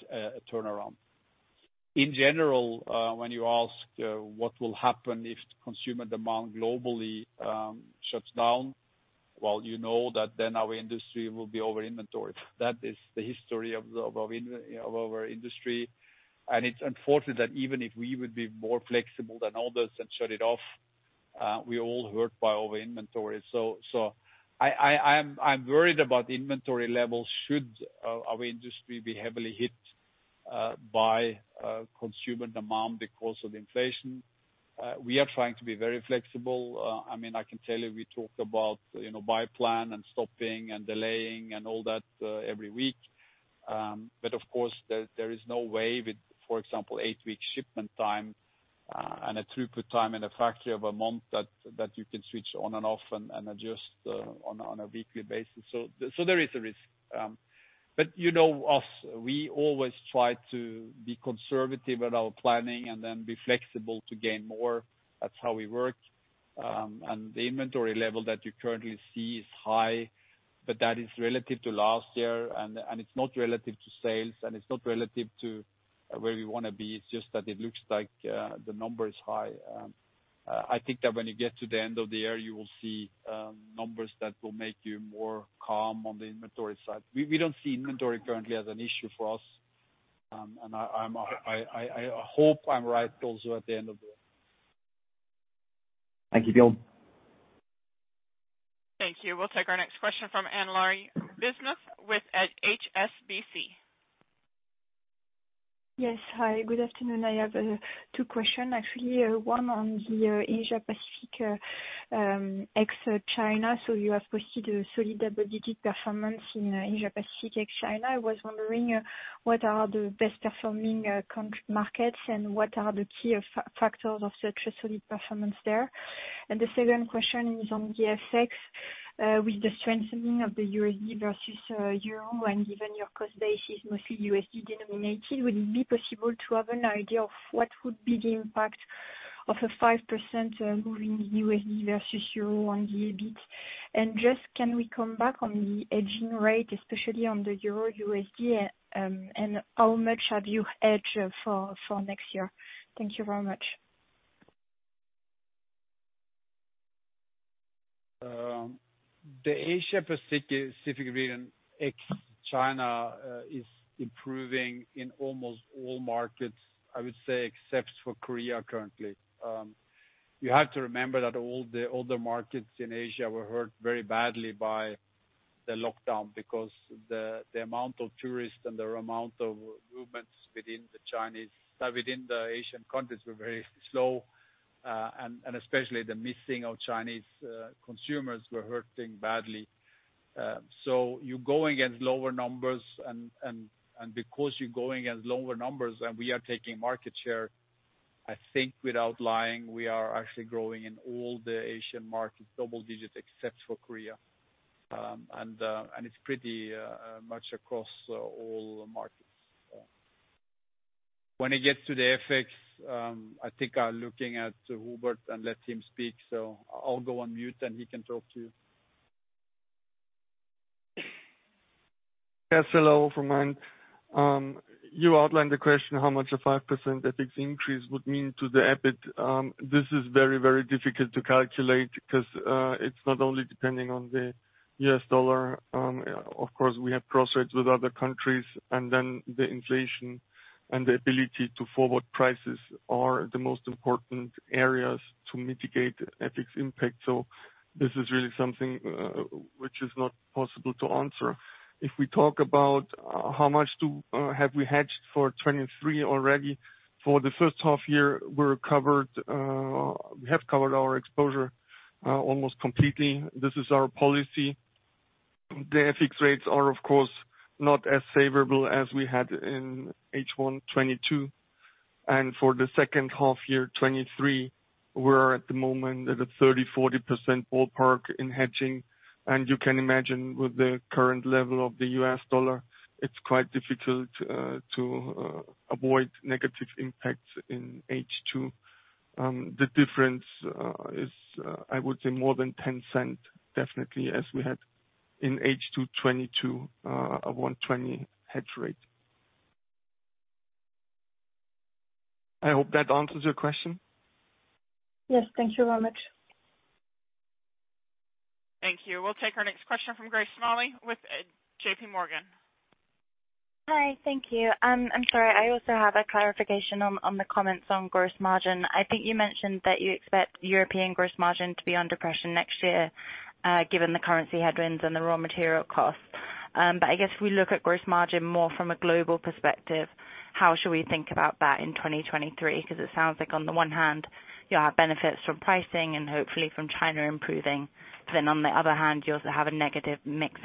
turnaround. In general, when you ask what will happen if the consumer demand globally shuts down, well, you know that then our industry will be over-inventoried. That is the history of our industry, and it's unfortunate that even if we would be more flexible than others and shut it off, we're all hurt by over-inventory. I'm worried about the inventory levels should our industry be heavily hit by consumer demand because of inflation. We are trying to be very flexible. I mean, I can tell you, we talk about, you know, buy plan and stopping and delaying and all that, every week. Of course, there is no way with, for example, an 8-week shipment time and a throughput time in a factory of a month that you can switch on and off and adjust on a weekly basis. There is a risk. You know us, we always try to be conservative at our planning and then be flexible to gain more. That's how we work. The inventory level that you currently see is high, but that is relative to last year, and it's not relative to sales, and it's not relative to where we wanna be. It's just that it looks like the number is high. I think that when you get to the end of the year, you will see numbers that will make you more calm on the inventory side. We don't see inventory currently as an issue for us. I hope I'm right also at the end of the year. Thank you, Björn. Thank you. We'll take our next question from Anne-Laure Bismuth with HSBC. Yes. Hi, good afternoon. I have two questions. Actually, one on the Asia Pacific ex China. You have posted a solid double-digit performance in Asia Pacific ex China. I was wondering what are the best performing country markets, and what are the key factors of such a solid performance there? The second question is on the FX. With the strengthening of the USD versus euro, and given your cost base is mostly USD denominated, would it be possible to have an idea of what would be the impact of a 5% moving USD versus euro on the EBIT? Just, can we come back on the hedging rate, especially on the EUR/USD, and how much have you hedged for next year? Thank you very much. The Asia Pacific region ex China is improving in almost all markets, I would say, except for Korea currently. You have to remember that all the other markets in Asia were hurt very badly by the lockdown because the amount of tourists and the amount of movements within the Asian countries were very slow. Especially the missing of Chinese consumers were hurting badly. You're going against lower numbers and because you're going against lower numbers, we are taking market share. I think without lying, we are actually growing in all the Asian markets double digits except for Korea. It's pretty much across all markets. When it gets to the FX, I think looking at Hubert and let him speak. I'll go on mute, and he can talk to you. Yes, hello from my end. You outlined the question how much a 5% FX increase would mean to the EBIT. This is very, very difficult to calculate because it's not only depending on the US dollar. Of course, we have cross rates with other countries, and then the inflation and the ability to forward prices are the most important areas to mitigate FX impact. This is really something which is not possible to answer. If we talk about how much have we hedged for 2023 already, for the first half year, we're covered, we have covered our exposure almost completely. This is our policy. The FX rates are of course not as favorable as we had in H1 2022. For the second half year, 2023, we're at the moment at a 30%-40% ballpark in hedging. You can imagine with the current level of the U.S. dollar, it's quite difficult to avoid negative impacts in H2. The difference is, I would say, more than $0.10 definitely as we had in H2 2022 of 1.20 hedge rate. I hope that answers your question. Yes. Thank you very much. Thank you. We'll take our next question from Grace Smalley with J.P. Morgan. Hi. Thank you. I also have a clarification on the comments on gross margin. I think you mentioned that you expect European gross margin to be under pressure next year, given the currency headwinds and the raw material costs. I guess if we look at gross margin more from a global perspective, how should we think about that in 2023? Because it sounds like on the one hand you'll have benefits from pricing and hopefully from China improving. Then on the other hand you also have a negative impact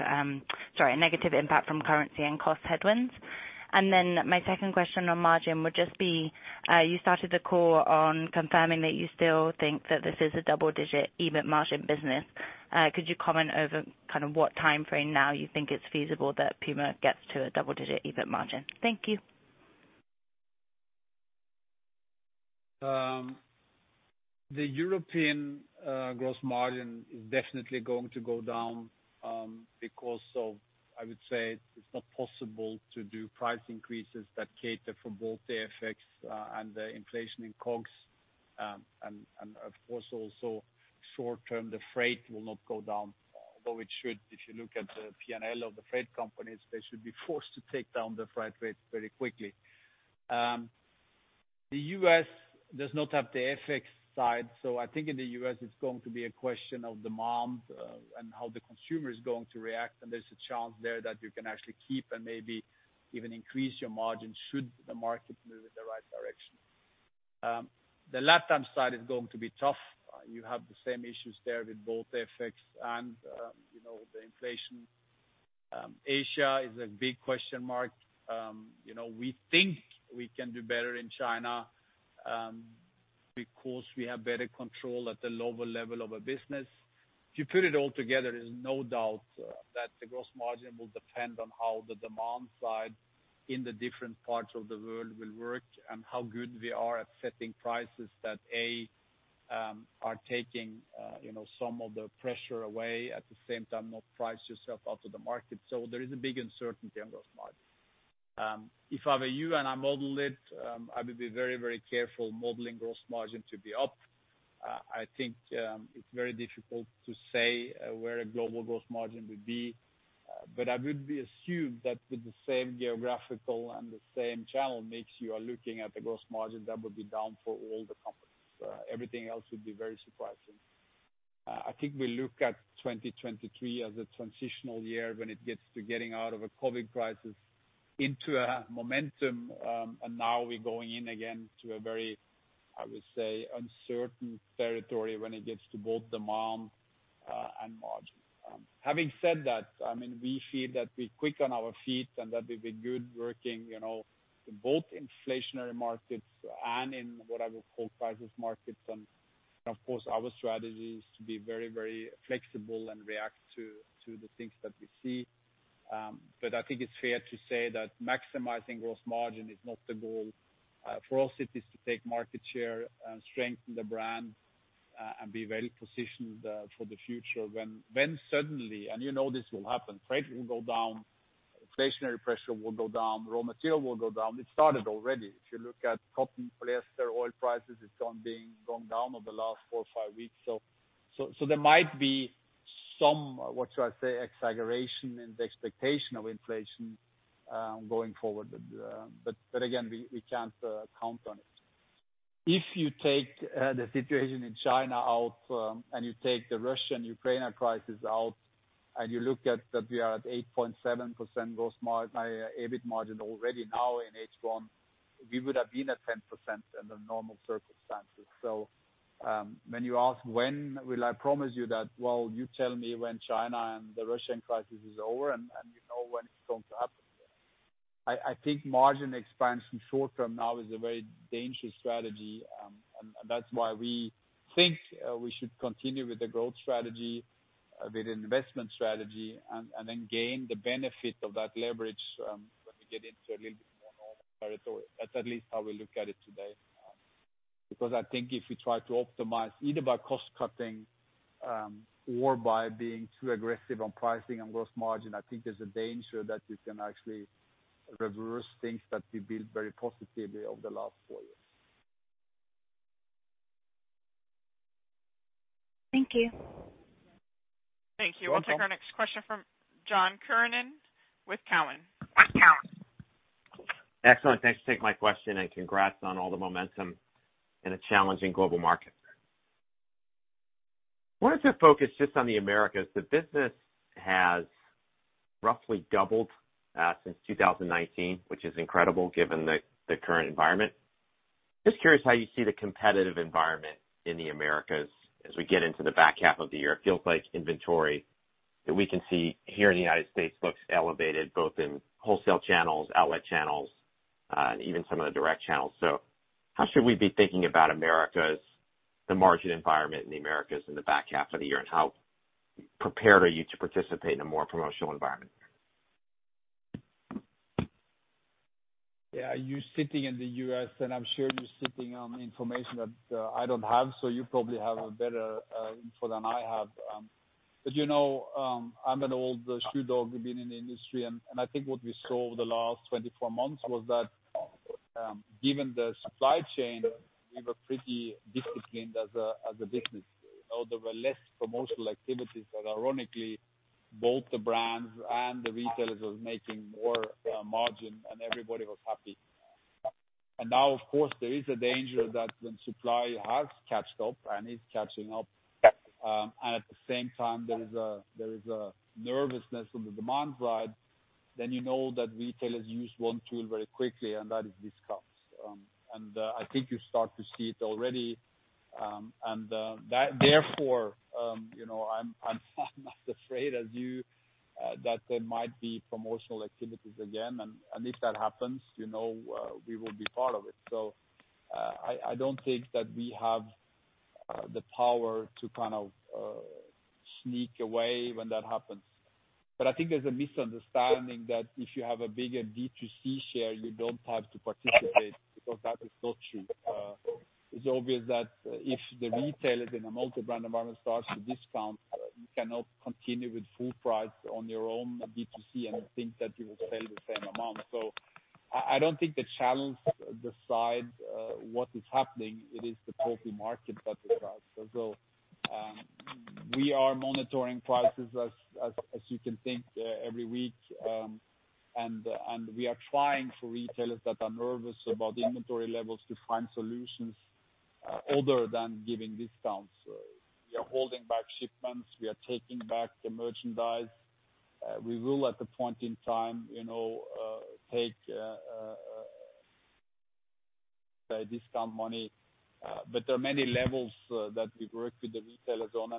from currency and cost headwinds. My second question on margin would just be, you started the call on confirming that you still think that this is a double-digit EBIT margin business. Could you comment over kind of what timeframe now you think it's feasible that PUMA gets to a double-digit EBIT margin? Thank you. The European gross margin is definitely going to go down, because I would say it's not possible to do price increases that cater for both the effects and the inflation in COGS. Of course also short-term, the freight will not go down, although it should. If you look at the P&L of the freight companies, they should be forced to take down the freight rates very quickly. The US does not have the FX side. I think in the US it's going to be a question of demand and how the consumer is going to react, and there's a chance there that you can actually keep and maybe even increase your margin should the market move in the right direction. The Latin side is going to be tough. You have the same issues there with both FX and, you know, the inflation. Asia is a big question mark. You know, we think we can do better in China, because we have better control at the lower level of a business. If you put it all together, there's no doubt that the gross margin will depend on how the demand side in the different parts of the world will work and how good we are at setting prices that are taking, you know, some of the pressure away at the same time, not price yourself out of the market. There is a big uncertainty on gross margin. If I were you and I model it, I would be very, very careful modeling gross margin to be up. I think it's very difficult to say where a global gross margin would be, but I would assume that with the same geographical and the same channel mix, you are looking at the gross margin that would be down for all the companies. Everything else would be very surprising. I think we look at 2023 as a transitional year when it gets to getting out of a COVID crisis into a momentum. And now we're going in again to a very, I would say, uncertain territory when it gets to both demand and margin. Having said that, I mean, we feel that we're quick on our feet and that we've been good working, you know, both inflationary markets and in what I would call crisis markets. Of course our strategy is to be very, very flexible and react to the things that we see. I think it's fair to say that maximizing gross margin is not the goal. For us it is to take market share and strengthen the brand and be well positioned for the future when suddenly, and you know this will happen, freight will go down, inflationary pressure will go down, raw material will go down. It started already. If you look at cotton, polyester, oil prices, it's gone down over the last four or five weeks. There might be some, what should I say, exaggeration in the expectation of inflation going forward. Again, we can't count on it. If you take the situation in China out, and you take the Russia-Ukraine crisis out, and you look at that we are at 8.7% gross EBIT margin already now in H1, we would have been at 10% under normal circumstances. When you ask, when will I promise you that? Well, you tell me when China and the Russia crisis is over and you know when it's going to happen. I think margin expansion short-term now is a very dangerous strategy. That's why we think we should continue with the growth strategy, with investment strategy, and then gain the benefit of that leverage when we get into a little bit more normal territory. That's at least how we look at it today. Because I think if we try to optimize either by cost cutting, or by being too aggressive on pricing and gross margin, I think there's a danger that you can actually reverse things that we built very positively over the last four years. Thank you. Welcome. Thank you. We'll take our next question from John Kernan with Cowen. Excellent. Thanks for taking my question and congrats on all the momentum in a challenging global market. Wanted to focus just on the Americas. The business has roughly doubled since 2019, which is incredible given the current environment. Just curious how you see the competitive environment in the Americas as we get into the back half of the year. It feels like inventory that we can see here in the United States looks elevated both in wholesale channels, outlet channels, and even some of the direct channels. How should we be thinking about Americas, the margin environment in the Americas in the back half of the year, and how prepared are you to participate in a more promotional environment? Yeah, you're sitting in the U.S., and I'm sure you're sitting on information that I don't have, so you probably have a better info than I have. But you know, I'm an old shoe dog, been in the industry and I think what we saw over the last 24 months was that, given the supply chain, we were pretty disciplined as a business. You know, there were less promotional activities and ironically, both the brands and the retailers was making more margin and everybody was happy. Now of course, there is a danger that when supply has caught up and is catching up, and at the same time there is a nervousness on the demand side, then you know that retailers use one tool very quickly, and that is discounts. I think you start to see it already. Therefore, you know, I'm not afraid as you that there might be promotional activities again. If that happens, you know, we will be part of it. I don't think that we have the power to kind of sneak away when that happens. I think there's a misunderstanding that if you have a bigger D2C share, you don't have to participate, because that is not true. It's obvious that if the retailer in a multi-brand environment starts to discount, you cannot continue with full price on your own D2C and think that you will sell the same amount. I don't think the challenge decides what is happening. It is the total market that decides. We are monitoring prices as you can think every week. We are trying for retailers that are nervous about the inventory levels to find solutions other than giving discounts. We are holding back shipments. We are taking back the merchandise. We will at the point in time take discount money. There are many levels that we work with the retailers on.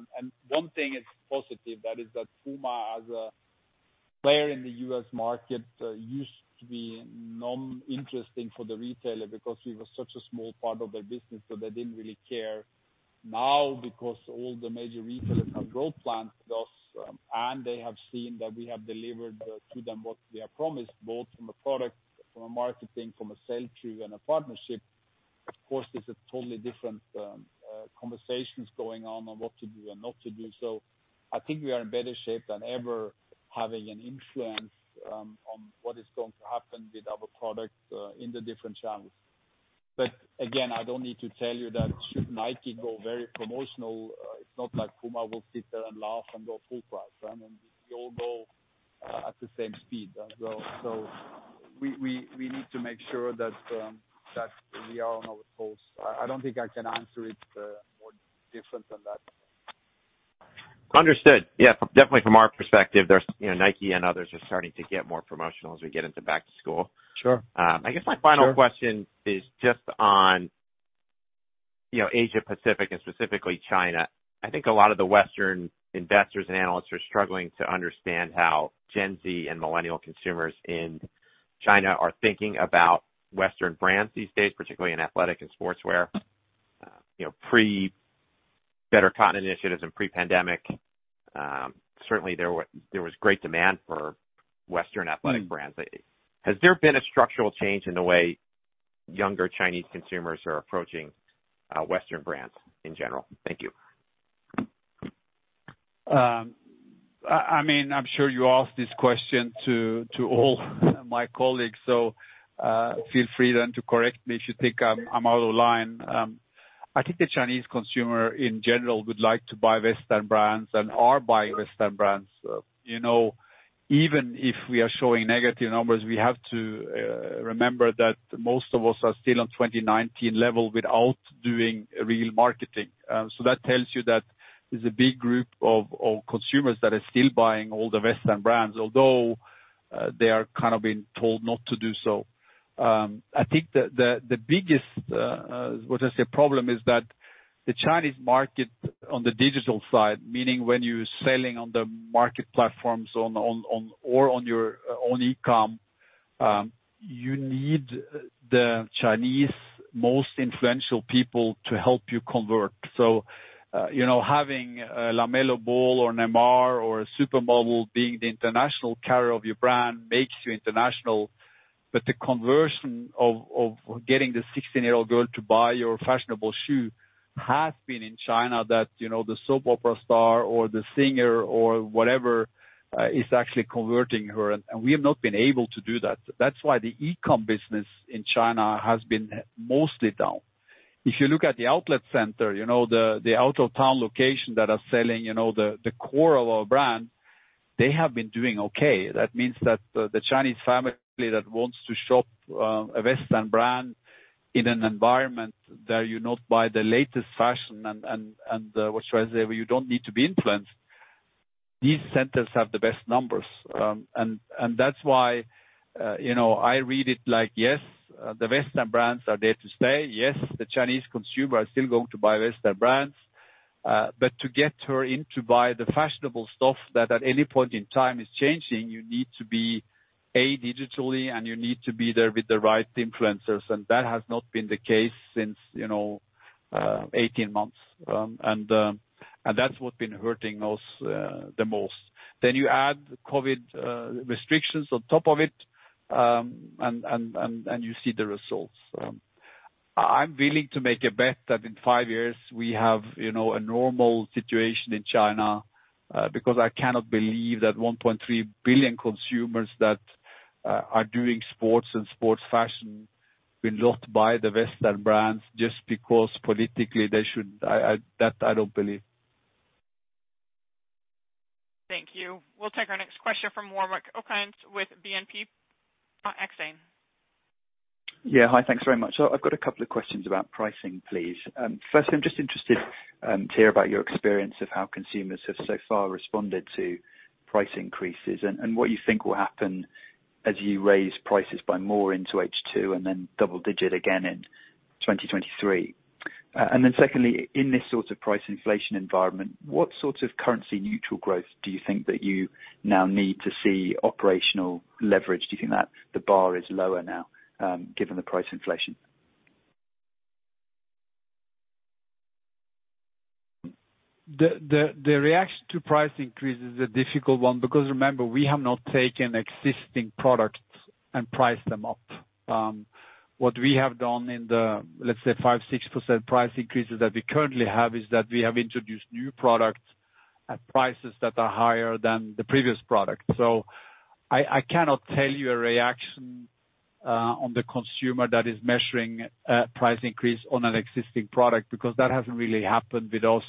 One thing is positive, that is that PUMA as a player in the U.S. market used to be non-interesting for the retailer because we were such a small part of their business, so they didn't really care. Because all the major retailers have growth plans, thus, and they have seen that we have delivered to them what we have promised, both from a product, from a marketing, from a sell-through and a partnership, of course, it's a totally different conversations going on what to do and not to do. I think we are in better shape than ever having an influence on what is going to happen with our product in the different channels. Again, I don't need to tell you that should Nike go very promotional, it's not like PUMA will sit there and laugh and go full price. I mean, we all go at the same speed as well. We need to make sure that we are on our course. I don't think I can answer it more different than that. Understood. Yeah, definitely from our perspective, there's, you know, Nike and others are starting to get more promotional as we get into back to school. Sure. I guess my final question is just on, you know, Asia-Pacific and specifically China. I think a lot of the Western investors and analysts are struggling to understand how Gen Z and millennial consumers in China are thinking about Western brands these days, particularly in athletic and sportswear. You know, pre Better Cotton Initiative and pre-pandemic, certainly there was great demand for Western athletic brands. Has there been a structural change in the way younger Chinese consumers are approaching, Western brands in general? Thank you. I mean, I'm sure you asked this question to all my colleagues. Feel free then to correct me if you think I'm out of line. I think the Chinese consumer in general would like to buy Western brands and are buying Western brands. You know, even if we are showing negative numbers, we have to remember that most of us are still on 2019 level without doing real marketing. That tells you that there's a big group of consumers that are still buying all the Western brands, although they are kind of being told not to do so. I think the biggest problem is that the Chinese market on the digital side, meaning when you're selling on the market platforms on or on your own e-com, you need the Chinese most influential people to help you convert. So you know, having a LaMelo Ball or a Neymar or a supermodel being the international carrier of your brand makes you international. But the conversion of getting the 16-year-old girl to buy your fashionable shoe has been in China that you know, the soap opera star or the singer or whatever is actually converting her. And we have not been able to do that. That's why the e-com business in China has been mostly down. If you look at the outlet center, you know, the out of town location that are selling, you know, the core of our brand, they have been doing okay. That means that the Chinese family that wants to shop a Western brand in an environment where you not buy the latest fashion and where you don't need to be influenced, these centers have the best numbers. T hat's why, you know, I read it yes, the Western brands are there to stay. Yes, the Chinese consumer are still going to buy Western brands. To get her in to buy the fashionable stuff that at any point in time is changing, you need to be, A, digitally, and you need to be there with the right influencers, and that has not been the case since, you know, 18 months. And that's what been hurting us the most. Then you add COVID restrictions on top of it, and you see the results. I'm willing to make a bet that in 5 years we have, you know, a normal situation in China, because I cannot believe that 1.3 billion consumers that are doing sports and sports fashion will not buy the Western brands just because politically they should. That I don't believe. Thank you. We'll take our next question from Warwick Okines with BNP Paribas Exane. Yeah. Hi. Thanks very much. I've got a couple of questions about pricing, please. Firstly, I'm just interested to hear about your experience of how consumers have so far responded to price increases and what you think will happen as you raise prices by more into H2 and then double-digit again in 2023. Secondly, in this sort of price inflation environment, what sort of currency neutral growth do you think that you now need to see operational leverage? Do you think that the bar is lower now, given the price inflation? The reaction to price increase is a difficult one because remember, we have not taken existing products and priced them up. What we have done in the, let's say 5%-6% price increases that we currently have is that we have introduced new products at prices that are higher than the previous product. I cannot tell you a reaction on the consumer that is measuring price increase on an existing product because that hasn't really happened with us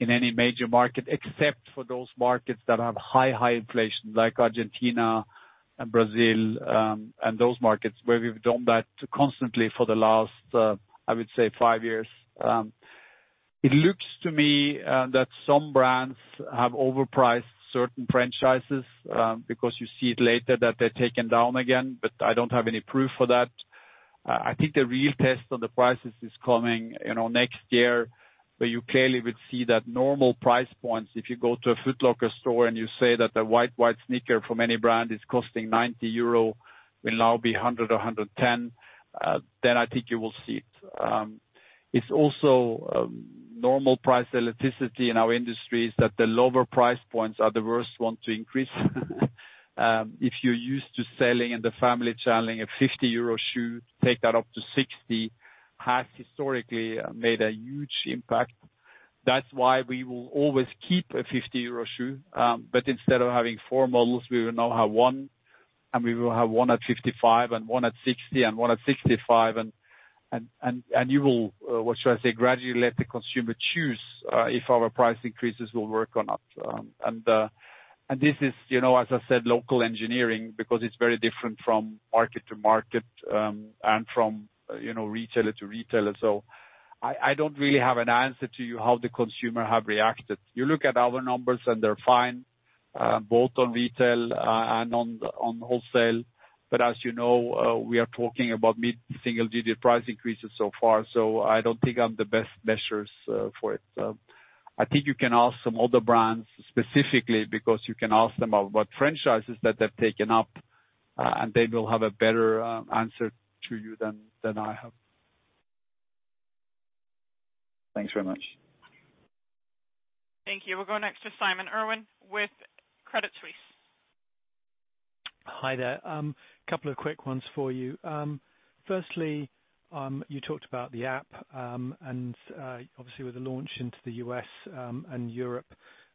in any major market except for those markets that have high inflation like Argentina and Brazil, and those markets where we've done that constantly for the last, I would say 5 years. It looks to me that some brands have overpriced certain franchises, because you see it later that they're taken down again, but I don't have any proof for that. I think the real test on the prices is coming, you know, next year, where you clearly would see that normal price points. If you go to a Foot Locker store and you say that the white sneaker from any brand is costing 90 euro will now be 100 or 110, then I think you will see it. It's also normal price elasticity in our industry is that the lower price points are the worst one to increase. If you're used to selling in the family channel, a 50 euro shoe, take that up to 60, has historically made a huge impact. That's why we will always keep a 50 euro shoe, but instead of having four models, we will now have one, and we will have one at 55 and one at 60 and one at 65. You will, what should I say, gradually let the consumer choose if our price increases will work or not. This is, you know, as I said, local engineering because it's very different from market to market, and from, you know, retailer to retailer. I don't really have an answer to you how the consumer have reacted. You look at our numbers and they're fine, both on retail and on wholesale. As you know, we are talking about mid-single digit price increases so far. I don't think I'm the best measures for it. I think you can ask some other brands specifically because you can ask them about what franchises that they've taken up, and they will have a better answer to you than I have. Thanks very much. Thank you. We'll go next to Simon Irwin with Credit Suisse. Hi there. Couple of quick ones for you. Firstly, you talked about the app, and obviously with the launch into the U.S., and Europe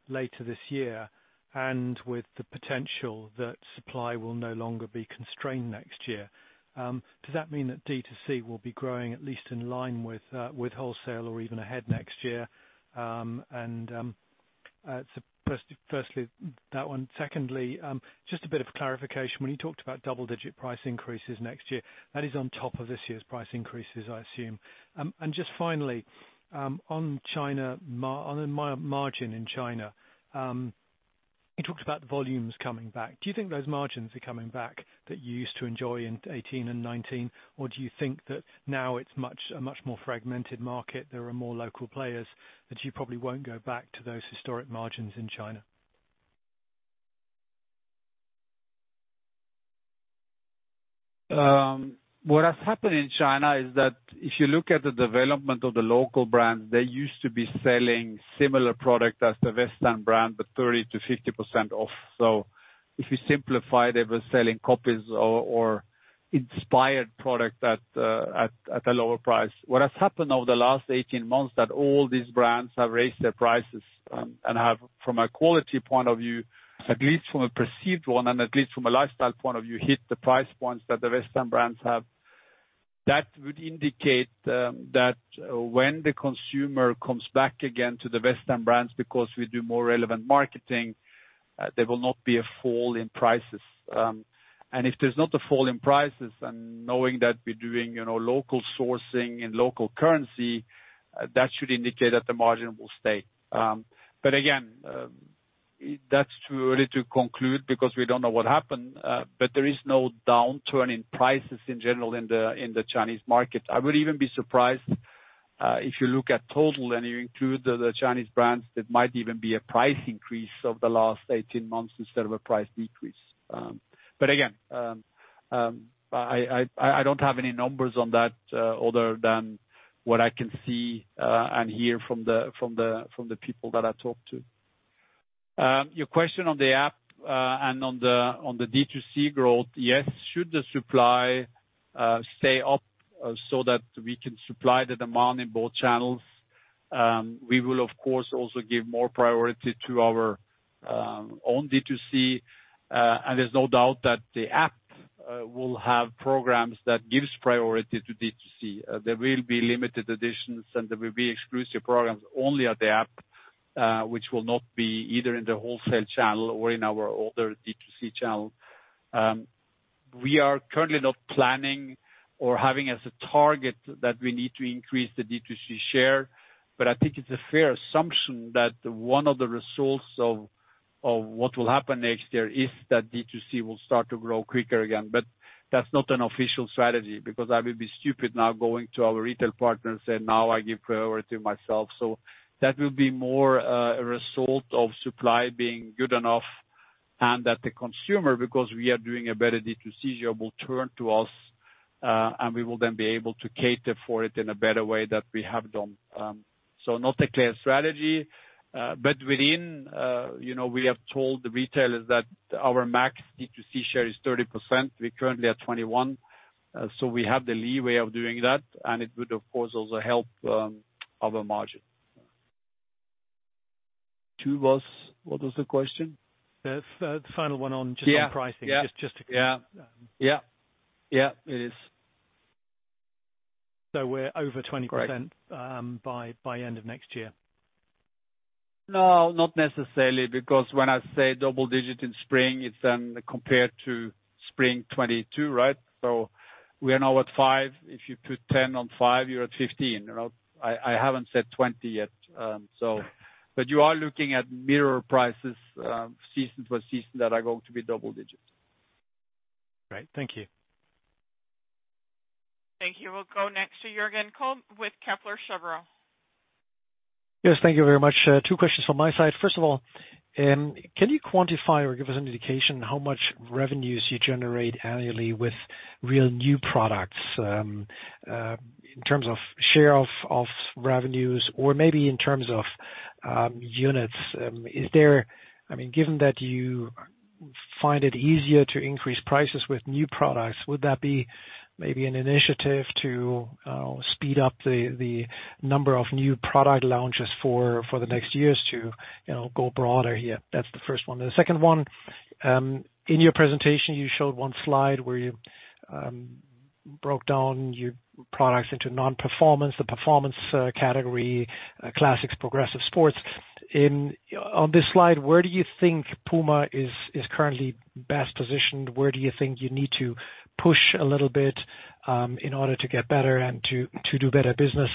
later this year, and with the potential that supply will no longer be constrained next year, does that mean that D2C will be growing at least in line with wholesale or even ahead next year? First, that one. Secondly, just a bit of clarification. When you talked about double digit price increases next year, that is on top of this year's price increases, I assume. Just finally, on the margin in China, you talked about the volumes coming back. Do you think those margins are coming back that you used to enjoy in 2018 and 2019, or do you think that now it's a much more fragmented market, there are more local players, that you probably won't go back to those historic margins in China? What has happened in China is that if you look at the development of the local brands, they used to be selling similar product as the Western brand, but 30%-50% off. If you simplify, they were selling copies or inspired product at a lower price. What has happened over the last 18 months that all these brands have raised their prices, and have, from a quality point of view, at least from a perceived one and at least from a lifestyle point of view, hit the price points that the Western brands have. That would indicate, that when the consumer comes back again to the Western brands because we do more relevant marketing, there will not be a fall in prices. If there's not a fall in prices and knowing that we're doing, you know, local sourcing and local currency, that should indicate that the margin will stay. Again, that's too early to conclude because we don't know what happened, but there is no downturn in prices in general in the Chinese market. I would even be surprised if you look at total and you include the Chinese brands, there might even be a price increase over the last 18 months instead of a price decrease. Again, I don't have any numbers on that, other than what I can see and hear from the people that I talk to. Your question on the app and on the D2C growth, yes, should the supply stay up so that we can supply the demand in both channels, we will of course also give more priority to our own D2C. There's no doubt that the app will have programs that gives priority to D2C. There will be limited editions, and there will be exclusive programs only at the app, which will not be either in the wholesale channel or in our older D2C channel. We are currently not planning or having as a target that we need to increase the D2C share, but I think it's a fair assumption that one of the results of what will happen next year is that D2C will start to grow quicker again. That's not an official strategy because I will be stupid now going to our retail partners and now I give priority myself. That will be more, a result of supply being good enough. That the consumer, because we are doing a better D2C job, will turn to us, and we will then be able to cater for it in a better way that we have done. Not a clear strategy, but within, you know, we have told the retailers that our max D2C share is 30%, we're currently at 21%. We have the leeway of doing that, and it would, of course, also help, our margin. Two was, what was the question? The final one just on pricing. Yeah. Just to. Yeah, it is. We're over 20%. Right. By end of next year. No, not necessarily, because when I say double digit in spring, it's then compared to spring 2022, right? We are now at 5%. If you put 10% on 5%, you're at 15%, you know. I haven't said 20% yet. Yeah. You are looking at mirror prices, season to season that are going to be double digits. Right. Thank you. Thank you. We'll go next to Jürgen Kolb with Kepler Cheuvreux. Yes, thank you very much. Two questions from my side. First of all, can you quantify or give us an indication how much revenues you generate annually with real new products, in terms of share of revenues or maybe in terms of units? I mean, given that you find it easier to increase prices with new products, would that be maybe an initiative to speed up the number of new product launches for the next years to, you know, go broader here? That's the first one. The second one, in your presentation, you showed one slide where you broke down your products into non-performance, the performance category, classics, progressive sports. On this slide, where do you think PUMA is currently best positioned? Where do you think you need to push a little bit, in order to get better and to do better business?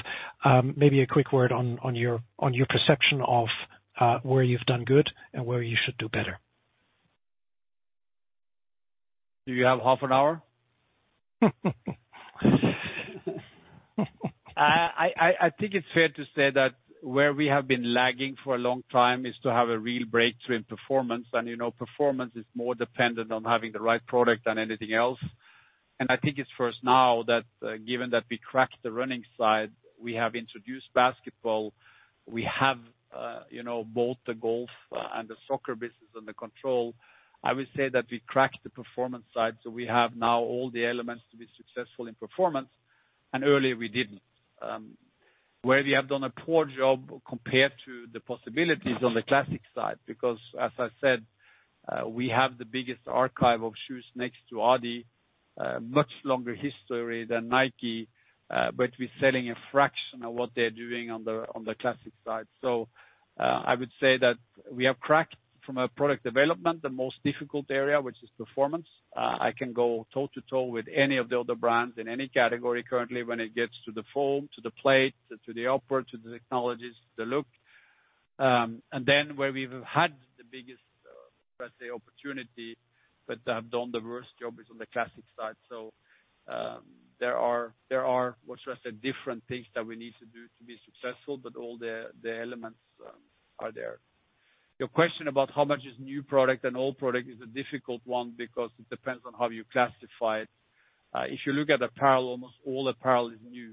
Maybe a quick word on your perception of where you've done good and where you should do better. Do you have half an hour? I think it's fair to say that where we have been lagging for a long time is to have a real breakthrough in performance. You know, performance is more dependent on having the right product than anything else. I think it's first now that, given that we cracked the running side, we have introduced basketball, we have, you know, both the golf and the soccer business under control. I would say that we cracked the performance side, so we have now all the elements to be successful in performance, and earlier we didn't. Where we have done a poor job compared to the possibilities on the classics side, because, as I said, we have the biggest archive of shoes next to adidas, much longer history than Nike, but we're selling a fraction of what they're doing on the classics side. I would say that we have cracked from a product development, the most difficult area, which is performance. I can go toe-to-toe with any of the other brands in any category currently when it gets to the foam, to the plate, to the upper, to the technologies, to the look. And then where we've had the biggest, let's say opportunity, but have done the worst job, is on the classics side. There are different things that we need to do to be successful, but all the elements are there. Your question about how much is new product and old product is a difficult one because it depends on how you classify it. If you look at apparel, almost all apparel is new,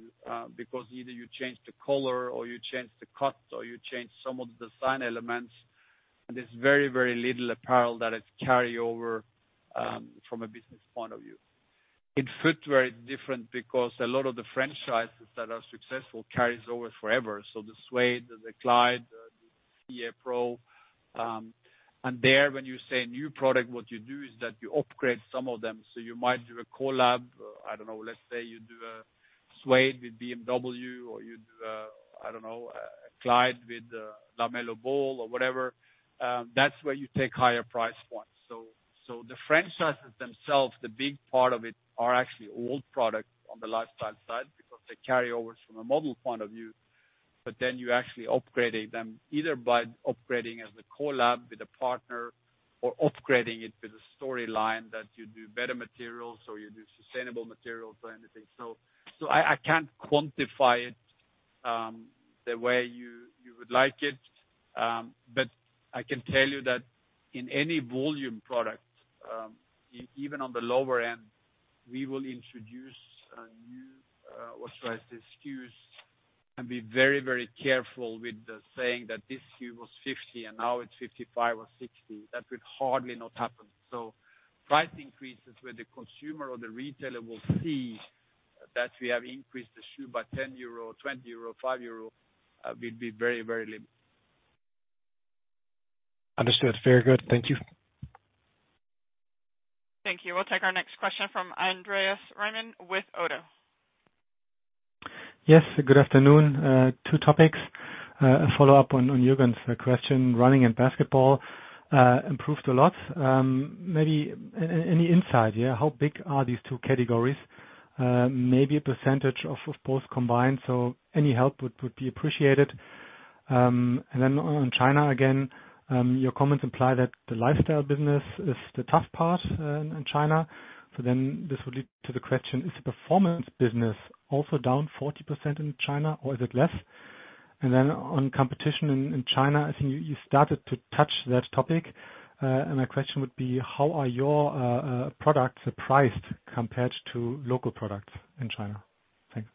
because either you change the color or you change the cut or you change some of the design elements. There's very little apparel that is carryover from a business point of view. In footwear, it's different because a lot of the franchises that are successful carries over forever. The Suede, the Clyde, the CA Pro, and there when you say new product, what you do is that you upgrade some of them. You might do a collab. I don't know, let's say you do a Suede with BMW, or you do a Clyde with LaMelo Ball or whatever. That's where you take higher price points. The franchises themselves, the big part of it are actually old products on the lifestyle side because they carry over from a model point of view. Then you actually upgraded them, either by upgrading as a collab with a partner or upgrading it with a storyline that you do better materials or you do sustainable materials or anything. I can't quantify it the way you would like it. I can tell you that in any volume product, even on the lower end, we will introduce a new, what should I say, SKUs, and be very, very careful with the saying that this SKU was 50 and now it's 55 or 60. That will hardly not happen. Price increases where the consumer or the retailer will see that we have increased the SKU by 10 euro, 20 euro, 5 euro, will be very, very limited. Understood. Very good. Thank you. Thank you. We'll take our next question from Andreas Riemann with ODDO BHF. Yes, good afternoon. Two topics. A follow-up on Jürgen's question. Running and basketball improved a lot. Maybe any insight here, how big are these two categories? Maybe a percentage of both combined. Any help would be appreciated. On China again, your comments imply that the lifestyle business is the tough part in China. This would lead to the question, is the performance business also down 40% in China, or is it less? On competition in China, I think you started to touch that topic. My question would be: How are your products priced compared to local products in China? Thanks.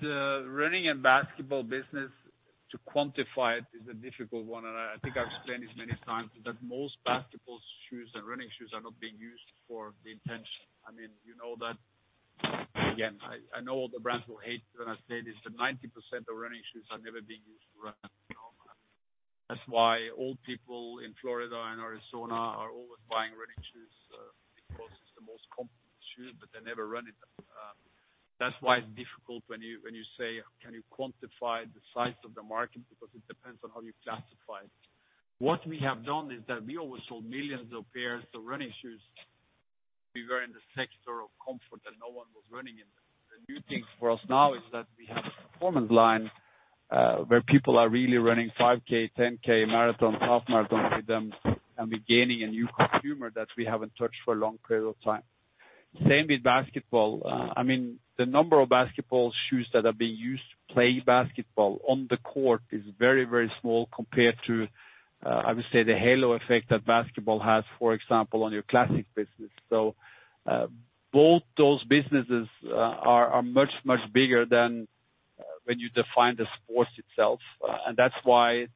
The running and basketball business, to quantify it is a difficult one, and I think I've explained this many times, is that most basketball shoes and running shoes are not being used for the intention. I mean, you know that. Again, I know all the brands will hate when I say this, but 90% of running shoes are never being used to run, you know. That's why old people in Florida and Arizona are always buying running shoes, because it's the most comfortable shoe, but they never run it. That's why it's difficult when you say, "Can you quantify the size of the market?" Because it depends on how you classify it. What we have done is that we always sold millions of pairs of running shoes. We were in the sector of comfort that no one was running in. The new thing for us now is that we have a performance line, where people are really running 5K, 10K, marathons, half marathons with them, and we're gaining a new consumer that we haven't touched for a long period of time. Same with basketball. I mean, the number of basketball shoes that are being used to play basketball on the court is very, very small compared to, I would say, the halo effect that basketball has, for example, on your classic business. Both those businesses are much bigger than when you define the sports itself, and that's why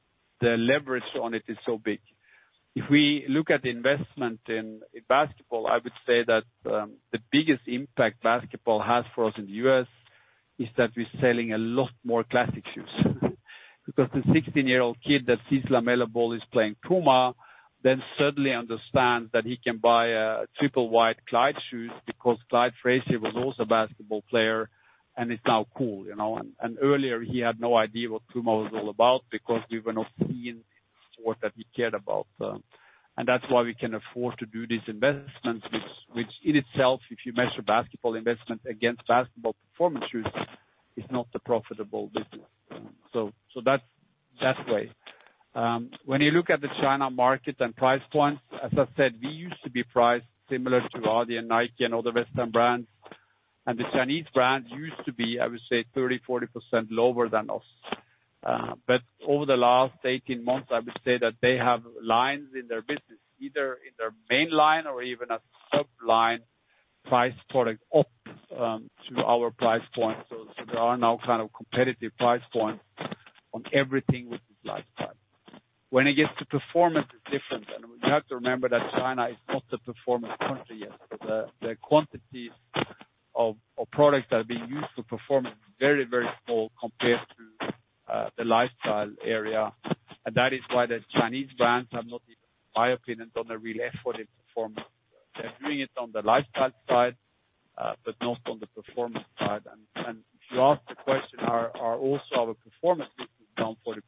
the leverage on it is so big. If we look at the investment in basketball, I would say that the biggest impact basketball has for us in the U.S. is that we're selling a lot more classic shoes. Because the sixteen-year-old kid that sees LaMelo Ball is playing PUMA, then suddenly understands that he can buy a triple wide Clyde shoes because Clyde Frazier was also a basketball player, and it's now cool, you know. Earlier, he had no idea what PUMA was all about because we were not seen in the sport that he cared about. That's why we can afford to do these investments, which in itself, if you measure basketball investment against basketball performance shoes, is not a profitable business. That's that way. When you look at the China market and price points, as I said, we used to be priced similar to adidas and Nike and other Western brands. The Chinese brands used to be, I would say, 30%-40% lower than us. Over the last 18 months, I would say that they have lines in their business, either in their main line or even a sub-line priced product up to our price point. So there are now kind of competitive price points on everything with the lifestyle. When it gets to performance, it's different. You have to remember that China is not a performance country yet. The quantities of products that are being used for performance is very, very small compared to the lifestyle area. That is why the Chinese brands have not even, in my opinion, done a real effort in performance. They're doing it on the lifestyle side, but not on the performance side. If you ask the question, are also our performance business down 40%?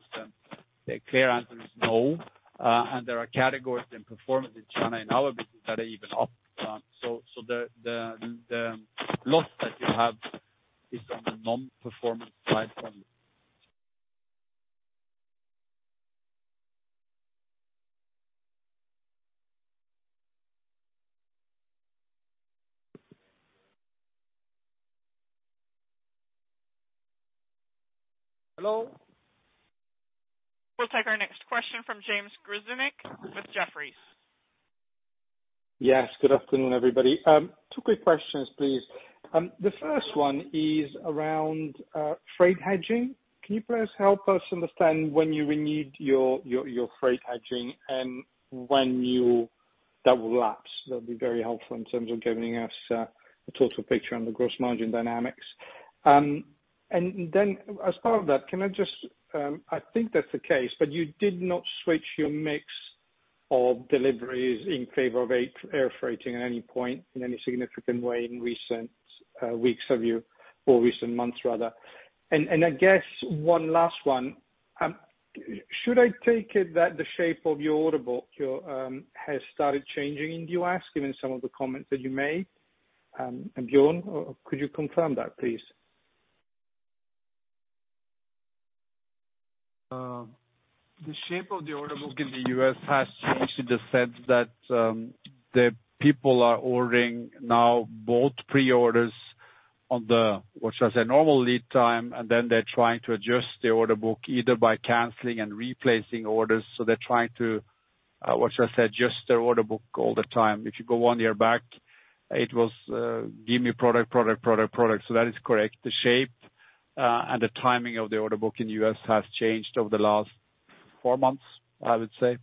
The clear answer is no. There are categories in performance in China in our business that are even up. The loss that you have is on the non-performance side only. Hello? We'll take our next question from James Grzinic with Jefferies. Yes, good afternoon, everybody. Two quick questions, please. The first one is around freight hedging. Can you please help us understand when you renew your freight hedging and when you double lapse? That'll be very helpful in terms of giving us a total picture on the gross margin dynamics. Then as part of that, I think that's the case, but you did not switch your mix of deliveries in favor of air freighting at any point in any significant way in recent weeks, have you? Or recent months, rather. I guess one last one, should I take it that the shape of your order book has started changing in the U.S., given some of the comments that you made, Björn? Could you confirm that, please? The shape of the order book in the U.S. has changed in the sense that, the people are ordering now both pre-orders on the normal lead time, and then they're trying to adjust the order book either by canceling and replacing orders. They're trying to adjust their order book all the time. If you go one year back, it was give me product, product. That is correct. The shape and the timing of the order book in the U.S. has changed over the last four months, I would say.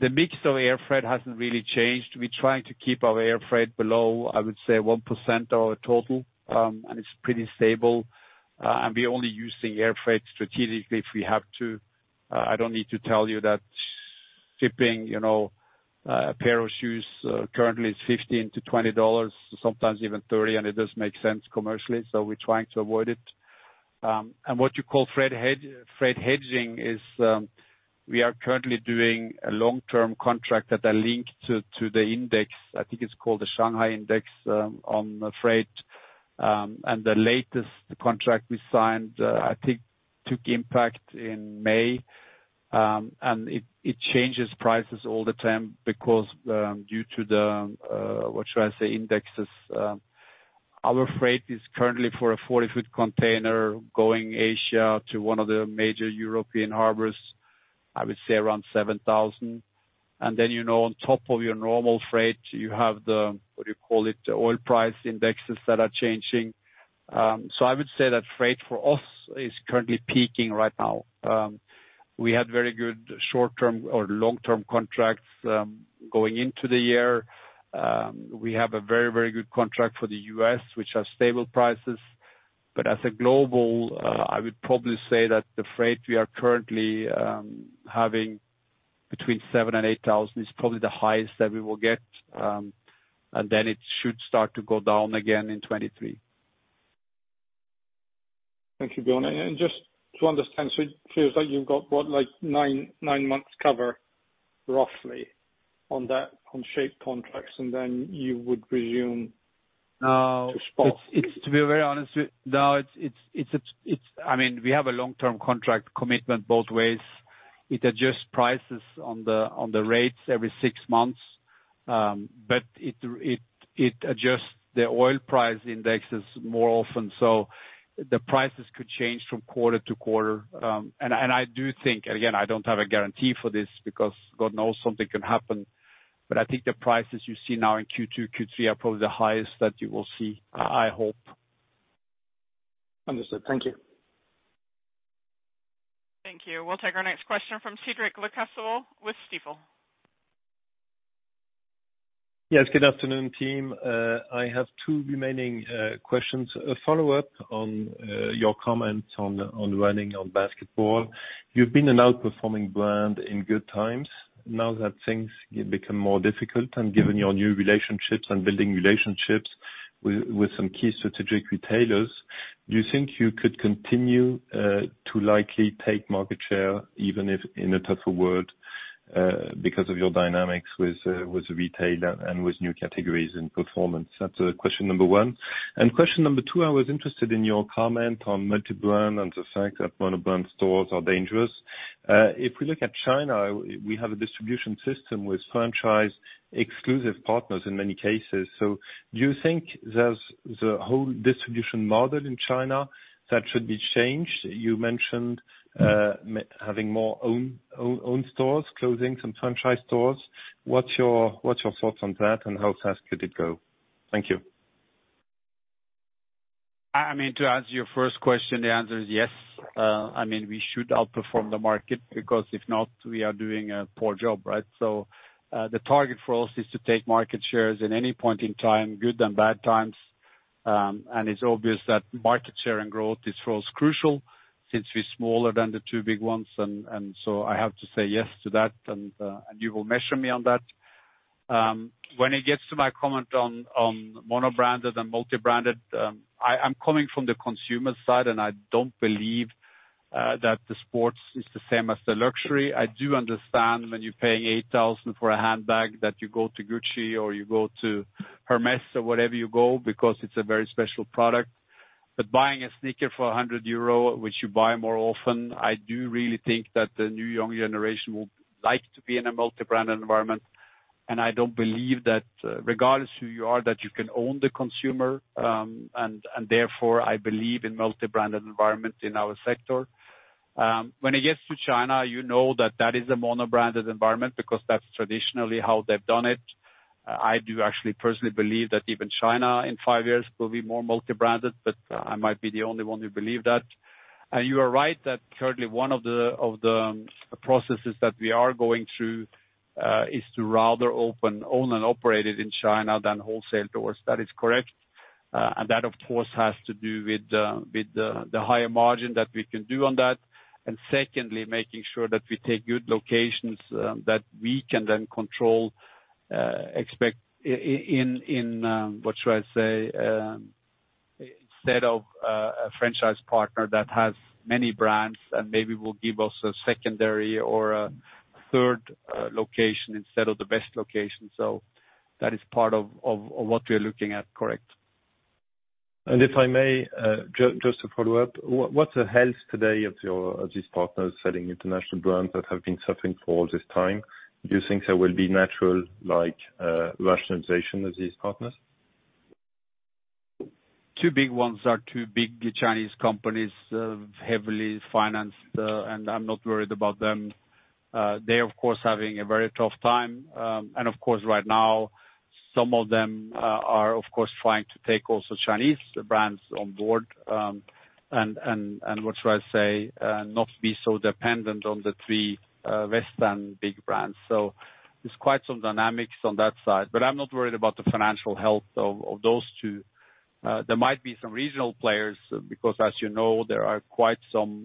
The mix of air freight hasn't really changed. We're trying to keep our air freight below, I would say, 1% of our total, and it's pretty stable. We're only using air freight strategically if we have to. I don't need to tell you that shipping, you know, a pair of shoes, currently is $15-$20, sometimes even $30, and it doesn't make sense commercially, so we're trying to avoid it. What you call freight hedging is, we are currently doing a long-term contract that are linked to the index. I think it's called the Shanghai Index, on the freight. The latest contract we signed, I think took effect in May. It changes prices all the time because, due to the, what should I say, indexes. Our freight is currently for a 40-foot container going Asia to one of the major European harbors, I would say around $7,000. You know, on top of your normal freight, you have the, what do you call it, oil price indexes that are changing. I would say that freight for us is currently peaking right now. We had very good short-term or long-term contracts going into the year. We have a very, very good contract for the U.S., which are stable prices. As a global, I would probably say that the freight we are currently having between $7,000 and $8,000 is probably the highest that we will get, and then it should start to go down again in 2023. Thank you, Björn. Just to understand, so it feels like you've got, what, like nine months cover roughly on that, on shaped contracts, and then you would resume to spot. It's to be very honest with you, no, it's, I mean, we have a long-term contract commitment both ways. It adjusts prices on the rates every six months, but it adjusts the oil price indexes more often, so the prices could change from quarter to quarter. I do think, again, I don't have a guarantee for this because God knows something can happen, but I think the prices you see now in Q2, Q3 are probably the highest that you will see, I hope. Understood. Thank you. Thank you. We'll take our next question from Cédric Lecasble with Stifel. Yes, good afternoon, team. I have 2 remaining questions. A follow-up on your comment on running on basketball. You've been an outperforming brand in good times. Now that things become more difficult and given your new relationships and building relationships with some key strategic retailers, do you think you could continue to likely take market share, even if in a tougher world because of your dynamics with retailer and with new categories and performance? That's question number 1. Question number 2, I was interested in your comment on multi-brand and the fact that mono-brand stores are dangerous. If we look at China, we have a distribution system with franchise-exclusive partners in many cases. Do you think there's the whole distribution model in China that should be changed? You mentioned having more own stores, closing some franchise stores. What's your thoughts on that, and how fast could it go? Thank you. I mean, to answer your first question, the answer is yes. I mean, we should outperform the market because if not, we are doing a poor job, right? The target for us is to take market shares at any point in time, good and bad times. It's obvious that market share and growth is for us crucial since we're smaller than the two big ones. I have to say yes to that. You will measure me on that. When it gets to my comment on mono-branded and multi-branded, I'm coming from the consumer side, and I don't believe that the sports is the same as the luxury. I do understand when you're paying 8,000 for a handbag that you go to Gucci or you go to Hermès or wherever you go because it's a very special product. Buying a sneaker for 100 euro, which you buy more often, I do really think that the new young generation will like to be in a multi-brand environment. I don't believe that, regardless who you are, that you can own the consumer, and therefore, I believe in multi-branded environment in our sector. When it gets to China, you know that that is a mono-branded environment because that's traditionally how they've done it. I do actually personally believe that even China in 5 years will be more multi-branded, I might be the only one who believe that. You are right that currently one of the processes that we are going through is to rather open owned and operated in China than wholesale stores. That is correct. That, of course, has to do with the higher margin that we can do on that. Secondly, making sure that we take good locations that we can then control instead of a franchise partner that has many brands and maybe will give us a secondary or a third location instead of the best location. That is part of what we're looking at, correct. If I may, just to follow up, what's the health today of these partners selling international brands that have been suffering for all this time? Do you think there will be natural, like, rationalization of these partners? Two big ones are two big Chinese companies, heavily financed, and I'm not worried about them. They're, of course, having a very tough time. Of course, right now some of them are of course, trying to take also Chinese brands on board, and what should I say? Not be so dependent on the three Western big brands. There's quite some dynamics on that side. I'm not worried about the financial health of those two. There might be some regional players, because as you know, there are quite some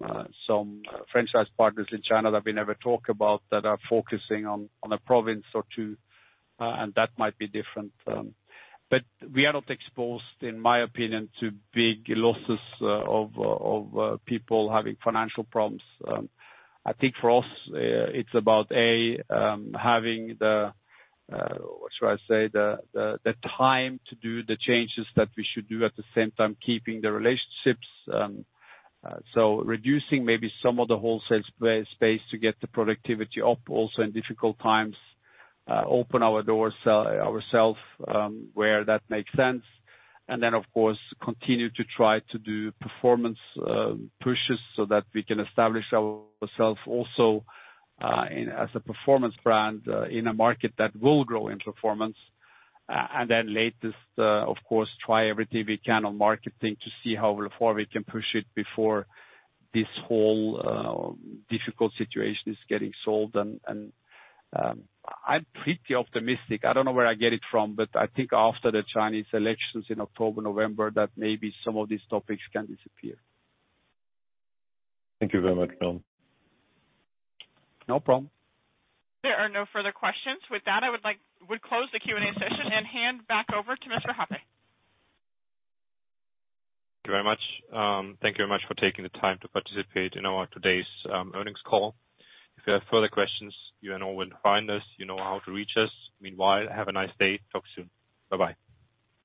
franchise partners in China that we never talk about that are focusing on a province or two, and that might be different. We are not exposed, in my opinion, to big losses of people having financial problems. I think for us, it's about having the time to do the changes that we should do, at the same time keeping the relationships. Reducing maybe some of the wholesale space to get the productivity up also in difficult times, open our doors ourselves, where that makes sense. Of course, continue to try to do performance pushes so that we can establish ourself also in as a performance brand in a market that will grow in performance. Lastly, of course, try everything we can on marketing to see how far we can push it before this whole difficult situation is getting solved. I'm pretty optimistic. I don't know where I get it from, but I think after the Chinese elections in October, November, that maybe some of these topics can disappear. Thank you very much, Björn. No problem. There are no further questions. With that, we close the Q&A session and hand back over to Gottfried Hoppe. Thank you very much. Thank you very much for taking the time to participate in our today's earnings call. If you have further questions, you know where to find us, you know how to reach us. Meanwhile, have a nice day. Talk soon. Bye-bye.